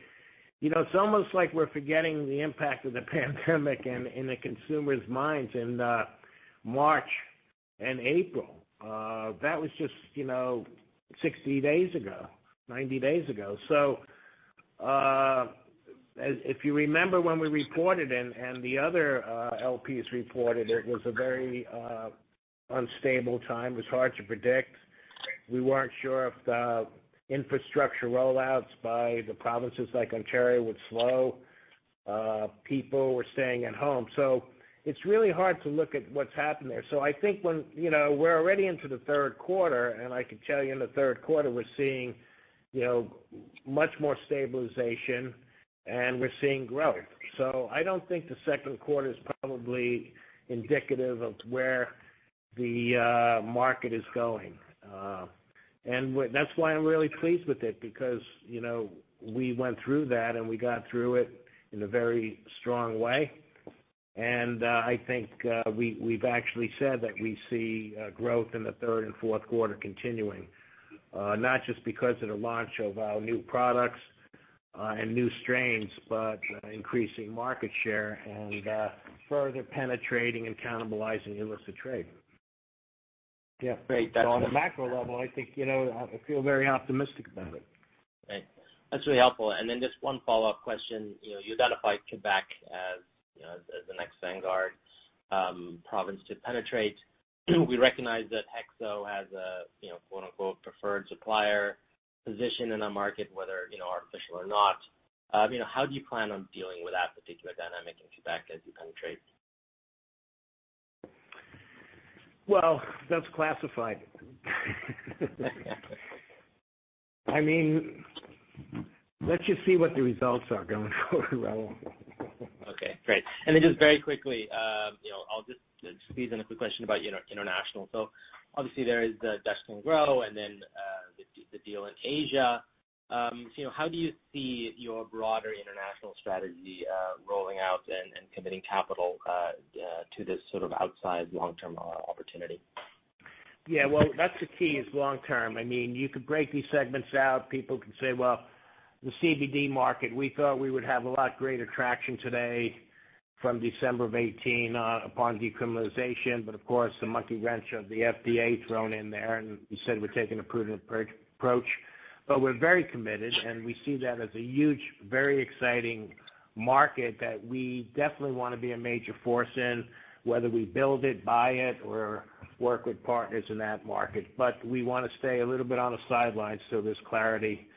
it's almost like we're forgetting the impact of the pandemic in the consumers' minds in March and April. That was just 60 days ago, 90 days ago. If you remember when we reported and the other LPs reported, it was a very unstable time. It was hard to predict. We weren't sure if the infrastructure rollouts by the provinces like Ontario would slow. People were staying at home. It's really hard to look at what's happened there. I think when we're already into the third quarter, and I can tell you in the third quarter, we're seeing much more stabilization and we're seeing growth. I don't think the second quarter's probably indicative of where the market is going. That's why I'm really pleased with it because we went through that and we got through it in a very strong way. I think we've actually said that we see growth in the third and fourth quarter continuing. Not just because of the launch of our new products and new strains, but increasing market share and further penetrating and cannibalizing illicit trade. Yeah. Great. On a macro level, I think, I feel very optimistic about it. Great. That's really helpful. Just one follow-up question. You identified Quebec as the next vanguard province to penetrate. We recognize that HEXO has a "preferred supplier" position in the market, whether artificial or not. How do you plan on dealing with that particular dynamic in Quebec as you penetrate? Well, that's classified. I mean, let's just see what the results are going forward, Rahul. Okay, great. Just very quickly, I'll just squeeze in a quick question about international. Obviously there is the DutchCanGrow and then the deal in Asia. How do you see your broader international strategy rolling out and committing capital to this sort of outsized long-term opportunity? Yeah. Well, that's the key is long term. I mean, you could break these segments out. People can say, well, the CBD market, we thought we would have a lot greater traction today from December of 2018 upon decriminalization. Of course, the monkey wrench of the FDA thrown in there, and we said we're taking a prudent approach. We're very committed, and we see that as a huge, very exciting market that we definitely want to be a major force in, whether we build it, buy it, or work with partners in that market. We want to stay a little bit on the sidelines till there's clarity from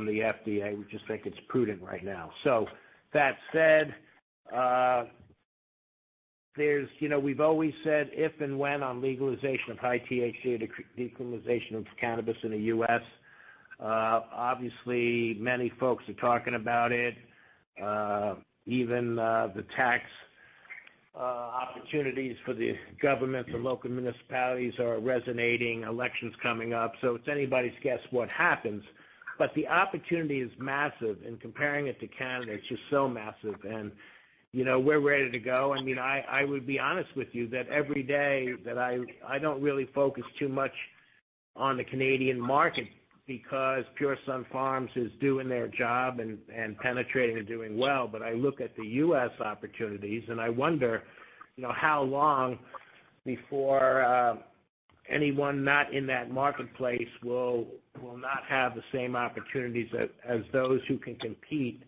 the FDA. We just think it's prudent right now. That said, we've always said if and when on legalization of high THC, decriminalization of cannabis in the U.S., obviously many folks are talking about it. Even the tax opportunities for the governments and local municipalities are resonating, elections coming up. It's anybody's guess what happens. The opportunity is massive and comparing it to Canada, it's just so massive and we're ready to go. I mean, I would be honest with you that every day that I don't really focus too much on the Canadian market because Pure Sunfarms is doing their job and penetrating and doing well. I look at the U.S. opportunities, and I wonder how long before anyone not in that marketplace will not have the same opportunities as those who can compete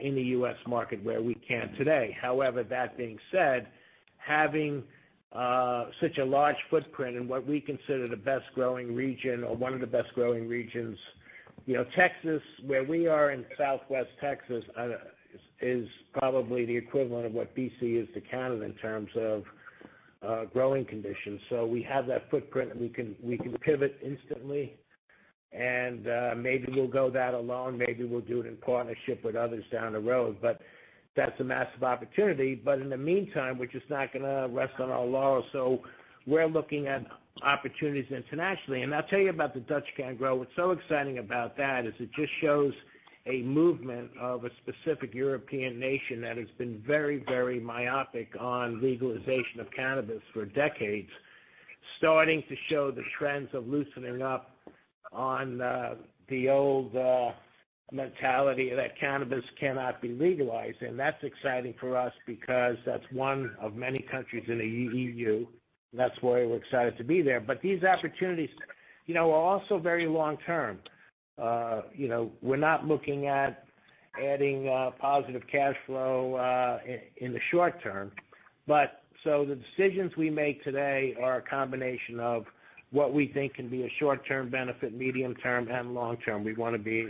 in the U.S. market where we can today. However, that being said, having such a large footprint in what we consider the best growing region or one of the best growing regions. Texas, where we are in Southwest Texas, is probably the equivalent of what BC is to Canada in terms of growing conditions. We have that footprint and we can pivot instantly, and maybe we'll go that alone. Maybe we'll do it in partnership with others down the road, but that's a massive opportunity. In the meantime, we're just not going to rest on our laurels. We're looking at opportunities internationally, and I'll tell you about the DutchCanGrow. What's so exciting about that is it just shows a movement of a specific European nation that has been very myopic on legalization of cannabis for decades, starting to show the trends of loosening up on the old mentality that cannabis cannot be legalized. That's exciting for us because that's one of many countries in the EU, and that's why we're excited to be there. These opportunities are also very long-term. We're not looking at adding positive cash flow in the short term. The decisions we make today are a combination of what we think can be a short-term benefit, medium-term, and long-term. We want to be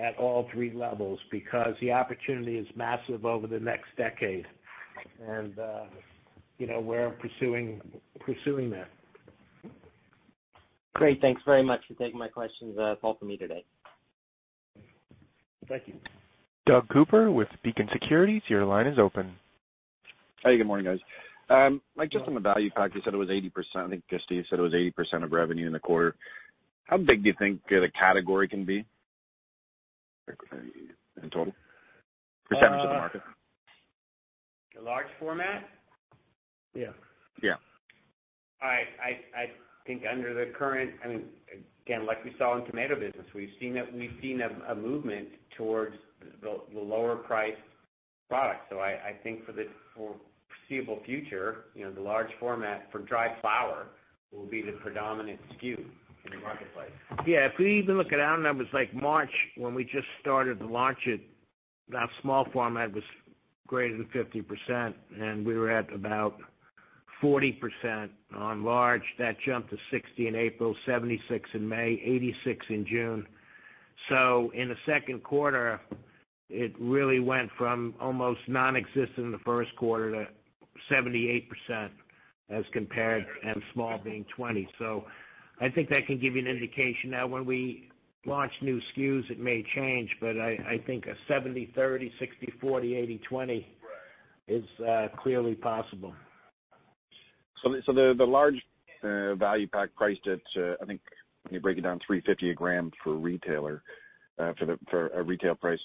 at all three levels because the opportunity is massive over the next decade. We're pursuing that. Great. Thanks very much for taking my questions. That's all for me today. Thank you. Doug Cooper with Beacon Securities, your line is open. Hey, good morning, guys. Mike, just on the value pack, you said it was 80%, I think Steve said it was 80% of revenue in the quarter. How big do you think the category can be in total? Percentage of the market. The large format? Yeah. Yeah. I think under the current, again, like we saw in tomato business, we've seen a movement towards the lower priced product. I think for the foreseeable future, the large format for dried flower will be the predominant SKU in the marketplace. If we even look at our numbers like March, when we just started to launch it, our small format was greater than 50% and we were at about 40% on large. That jumped to 60% in April, 76% in May, 86% in June. In the second quarter, it really went from almost nonexistent in the first quarter to 78% as compared and small being 20%. I think that can give you an indication. Now, when we launch new SKUs, it may change, but I think a 70/30, 60/40, 80/20 is clearly possible. The large value pack priced at, I think, when you break it down, 3.50 a gram for a retail price.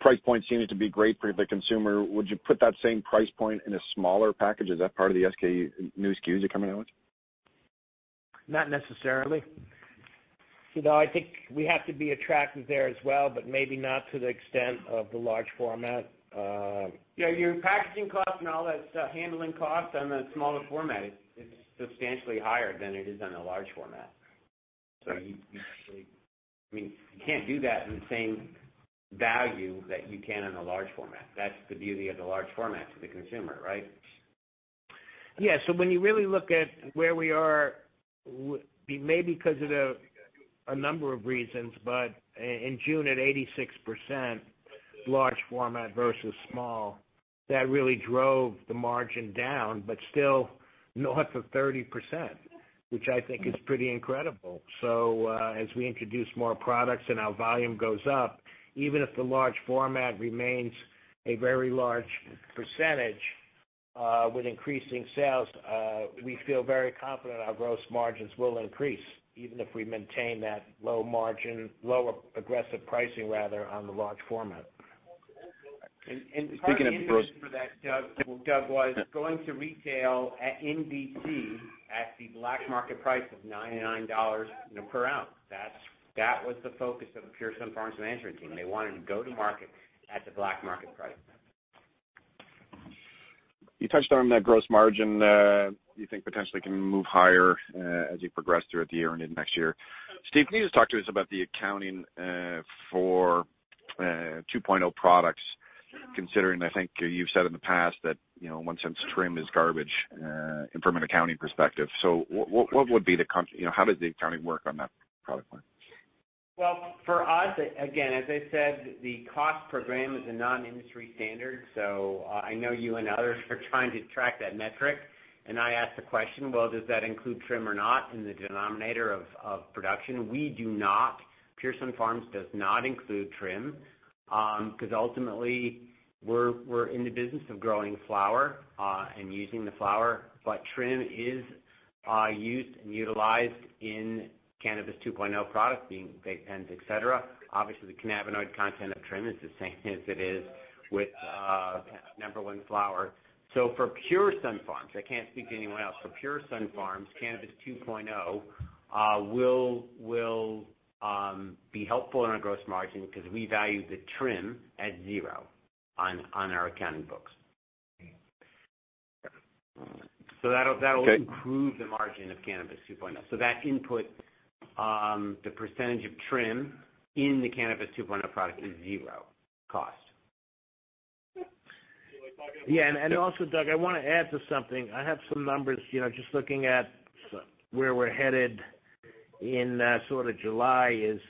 Price point seems to be great for the consumer. Would you put that same price point in a smaller package? Is that part of the new SKUs you're coming out with? Not necessarily. I think we have to be attractive there as well, but maybe not to the extent of the large format. Yeah, your packaging cost and all that stuff, handling costs on the smaller format is substantially higher than it is on the large format. You can't do that in the same value that you can in a large format. That's the beauty of the large format to the consumer, right? Yeah. When you really look at where we are, maybe because of a number of reasons, but in June, at 86% large format versus small, that really drove the margin down, but still north of 30%, which I think is pretty incredible. As we introduce more products and our volume goes up, even if the large format remains a very large percentage with increasing sales, we feel very confident our gross margins will increase, even if we maintain that low margin, low aggressive pricing rather on the large format. Part of the reason for that, Doug, was going to retail in BC at the black market price of 99 dollars per ounce. That was the focus of the Pure Sunfarms management team. They wanted to go to market at the black market price. You touched on that gross margin you think potentially can move higher as you progress throughout the year and into next year. Steve, can you just talk to us about the accounting for 2.0 products, considering, I think you've said in the past that, in one sense, trim is garbage from an accounting perspective. How does the accounting work on that product line? Well, for us, again, as I said, the cost per gram is a non-industry standard. I know you and others are trying to track that metric, and I ask the question: Well, does that include trim or not in the denominator of production? We do not. Pure Sunfarms does not include trim because ultimately, we're in the business of growing flower and using the flower, but trim is used and utilized in Cannabis 2.0 products, being vapes, pens, et cetera. Obviously, the cannabinoid content of trim is the same as it is with number one flower. For Pure Sunfarms, I can't speak for anyone else. For Pure Sunfarms, Cannabis 2.0 will be helpful in our gross margin because we value the trim at zero on our accounting books. That'll improve the margin of Cannabis 2.0. That input, the percentage of trim in the Cannabis 2.0 product is zero cost. Yeah, also, Doug, I want to add to something. I have some numbers, just looking at where we're headed in July is,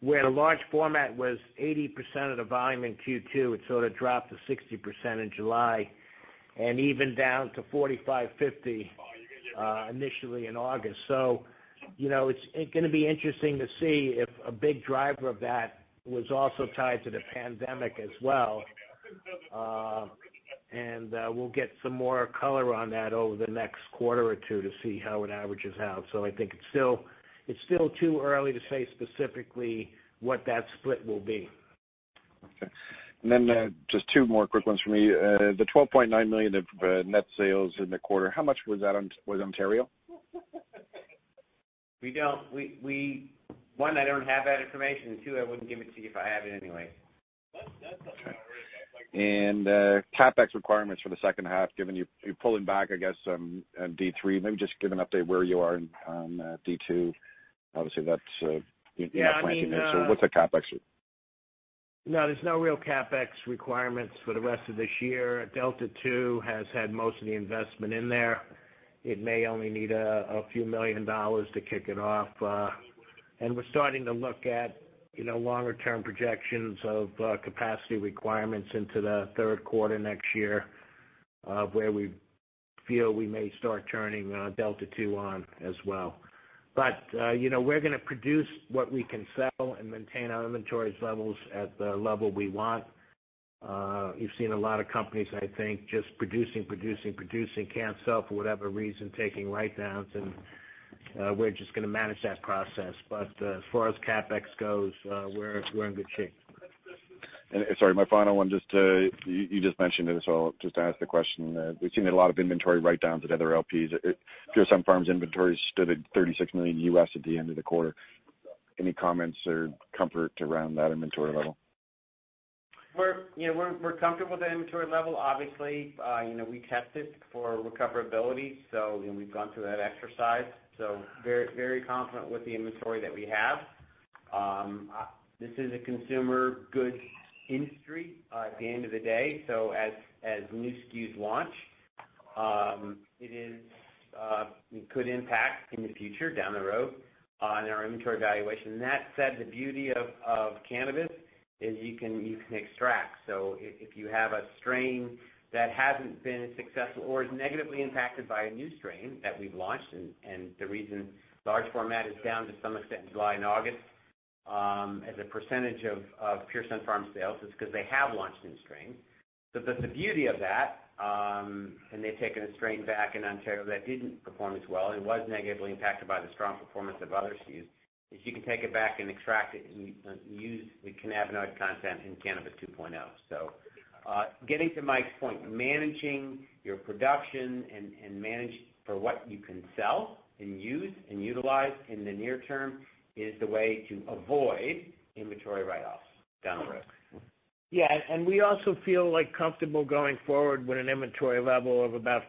where the large format was 80% of the volume in Q2, it sort of dropped to 60% in July and even down to 45%-50% initially in August. It's going to be interesting to see if a big driver of that was also tied to the pandemic as well. We'll get some more color on that over the next quarter or two to see how it averages out. I think it's still too early to say specifically what that split will be. Okay. Just two more quick ones from me. The 12.9 million of net sales in the quarter, how much was Ontario? One, I don't have that information, and two, I wouldn't give it to you if I had it anyway. CapEx requirements for the second half, given you're pulling back, I guess, on D3, maybe just give an update where you are on D2. Obviously, that's the planting there. What's the CapEx? There's no real CapEx requirements for the rest of this year. Delta 2 has had most of the investment in there. It may only need CAD few million to kick it off. We're starting to look at longer-term projections of capacity requirements into the third quarter next year, where we feel we may start turning Delta 2 on as well. We're going to produce what we can sell and maintain our inventories levels at the level we want. You've seen a lot of companies, I think, just producing, producing, can't sell for whatever reason, taking write-downs, and we're just going to manage that process. As far as CapEx goes, we're in good shape. Sorry, my final one, you just mentioned it, so I'll just ask the question. We've seen a lot of inventory write-downs at other LPs. Pure Sunfarms inventory stood at $36 million at the end of the quarter. Any comments or comfort around that inventory level? We're comfortable with the inventory level. Obviously, we test it for recoverability. We've gone through that exercise, very confident with the inventory that we have. This is a consumer goods industry at the end of the day. As new SKUs launch, it could impact in the future, down the road, on our inventory valuation. That said, the beauty of cannabis is you can extract. If you have a strain that hasn't been successful or is negatively impacted by a new strain that we've launched, and the reason large format is down to some extent in July and August, as a percentage of Pure Sunfarms sales is because they have launched new strains. The beauty of that, and they've taken a strain back in Ontario that didn't perform as well and was negatively impacted by the strong performance of other SKUs, is you can take it back and extract it and use the cannabinoid content in Cannabis 2.0. Getting to Mike's point, managing your production and manage for what you can sell and use and utilize in the near term is the way to avoid inventory write-offs down the road. Yeah, we also feel comfortable going forward with an inventory level of about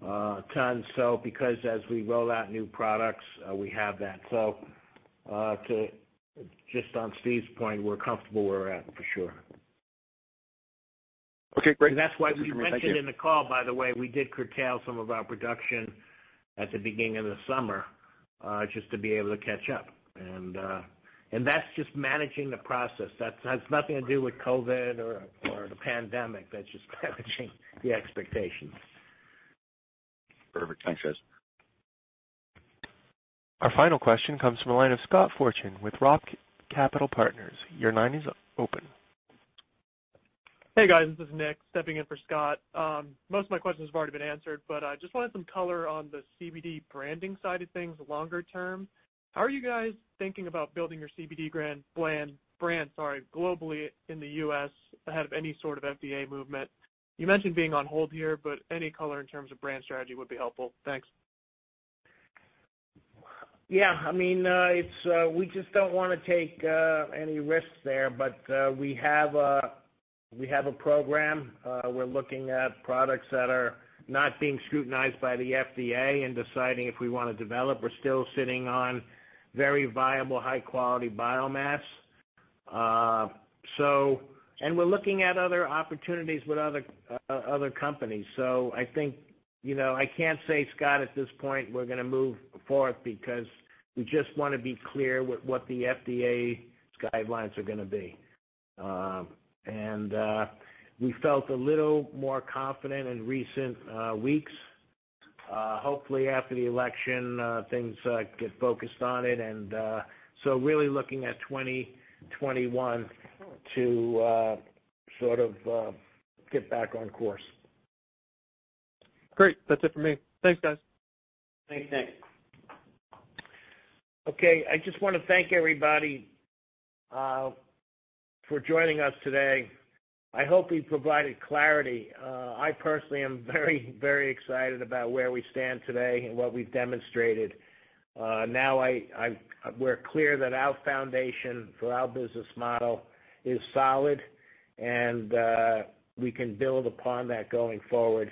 15-20 tons. As we roll out new products, we have that. Just on Steve's point, we're comfortable where we're at for sure. Okay, great. That's why we mentioned in the call, by the way, we did curtail some of our production at the beginning of the summer, just to be able to catch up. That's just managing the process. That has nothing to do with COVID or the pandemic. That's just managing the expectations. Perfect. Thanks, guys. Our final question comes from the line of Scott Fortune with Roth Capital Partners. Your line is open. Hey, guys, this is Nick stepping in for Scott. Most of my questions have already been answered, but I just wanted some color on the CBD branding side of things, longer term. How are you guys thinking about building your CBD brand globally in the U.S. ahead of any sort of FDA movement? You mentioned being on hold here, but any color in terms of brand strategy would be helpful. Thanks. Yeah. We just don't want to take any risks there. We have a program. We're looking at products that are not being scrutinized by the FDA and deciding if we want to develop. We're still sitting on very viable, high-quality biomass. We're looking at other opportunities with other companies. I can't say, Scott, at this point, we're going to move forth because we just want to be clear what the FDA's guidelines are going to be. We felt a little more confident in recent weeks. Hopefully after the election, things get focused on it, we're really looking at 2021 to sort of get back on course. Great. That's it for me. Thanks, guys. Thanks, Nick. I just want to thank everybody for joining us today. I hope we provided clarity. I personally am very, very excited about where we stand today and what we've demonstrated. We're clear that our foundation for our business model is solid, and we can build upon that going forward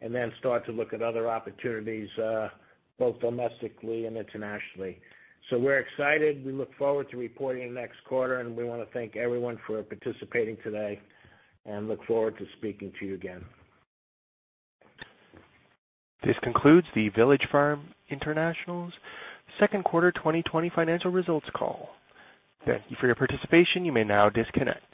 and then start to look at other opportunities, both domestically and internationally. We're excited. We look forward to reporting next quarter, and we want to thank everyone for participating today and look forward to speaking to you again. This concludes the Village Farms International's second quarter 2020 financial results call. Thank you for your participation. You may now disconnect.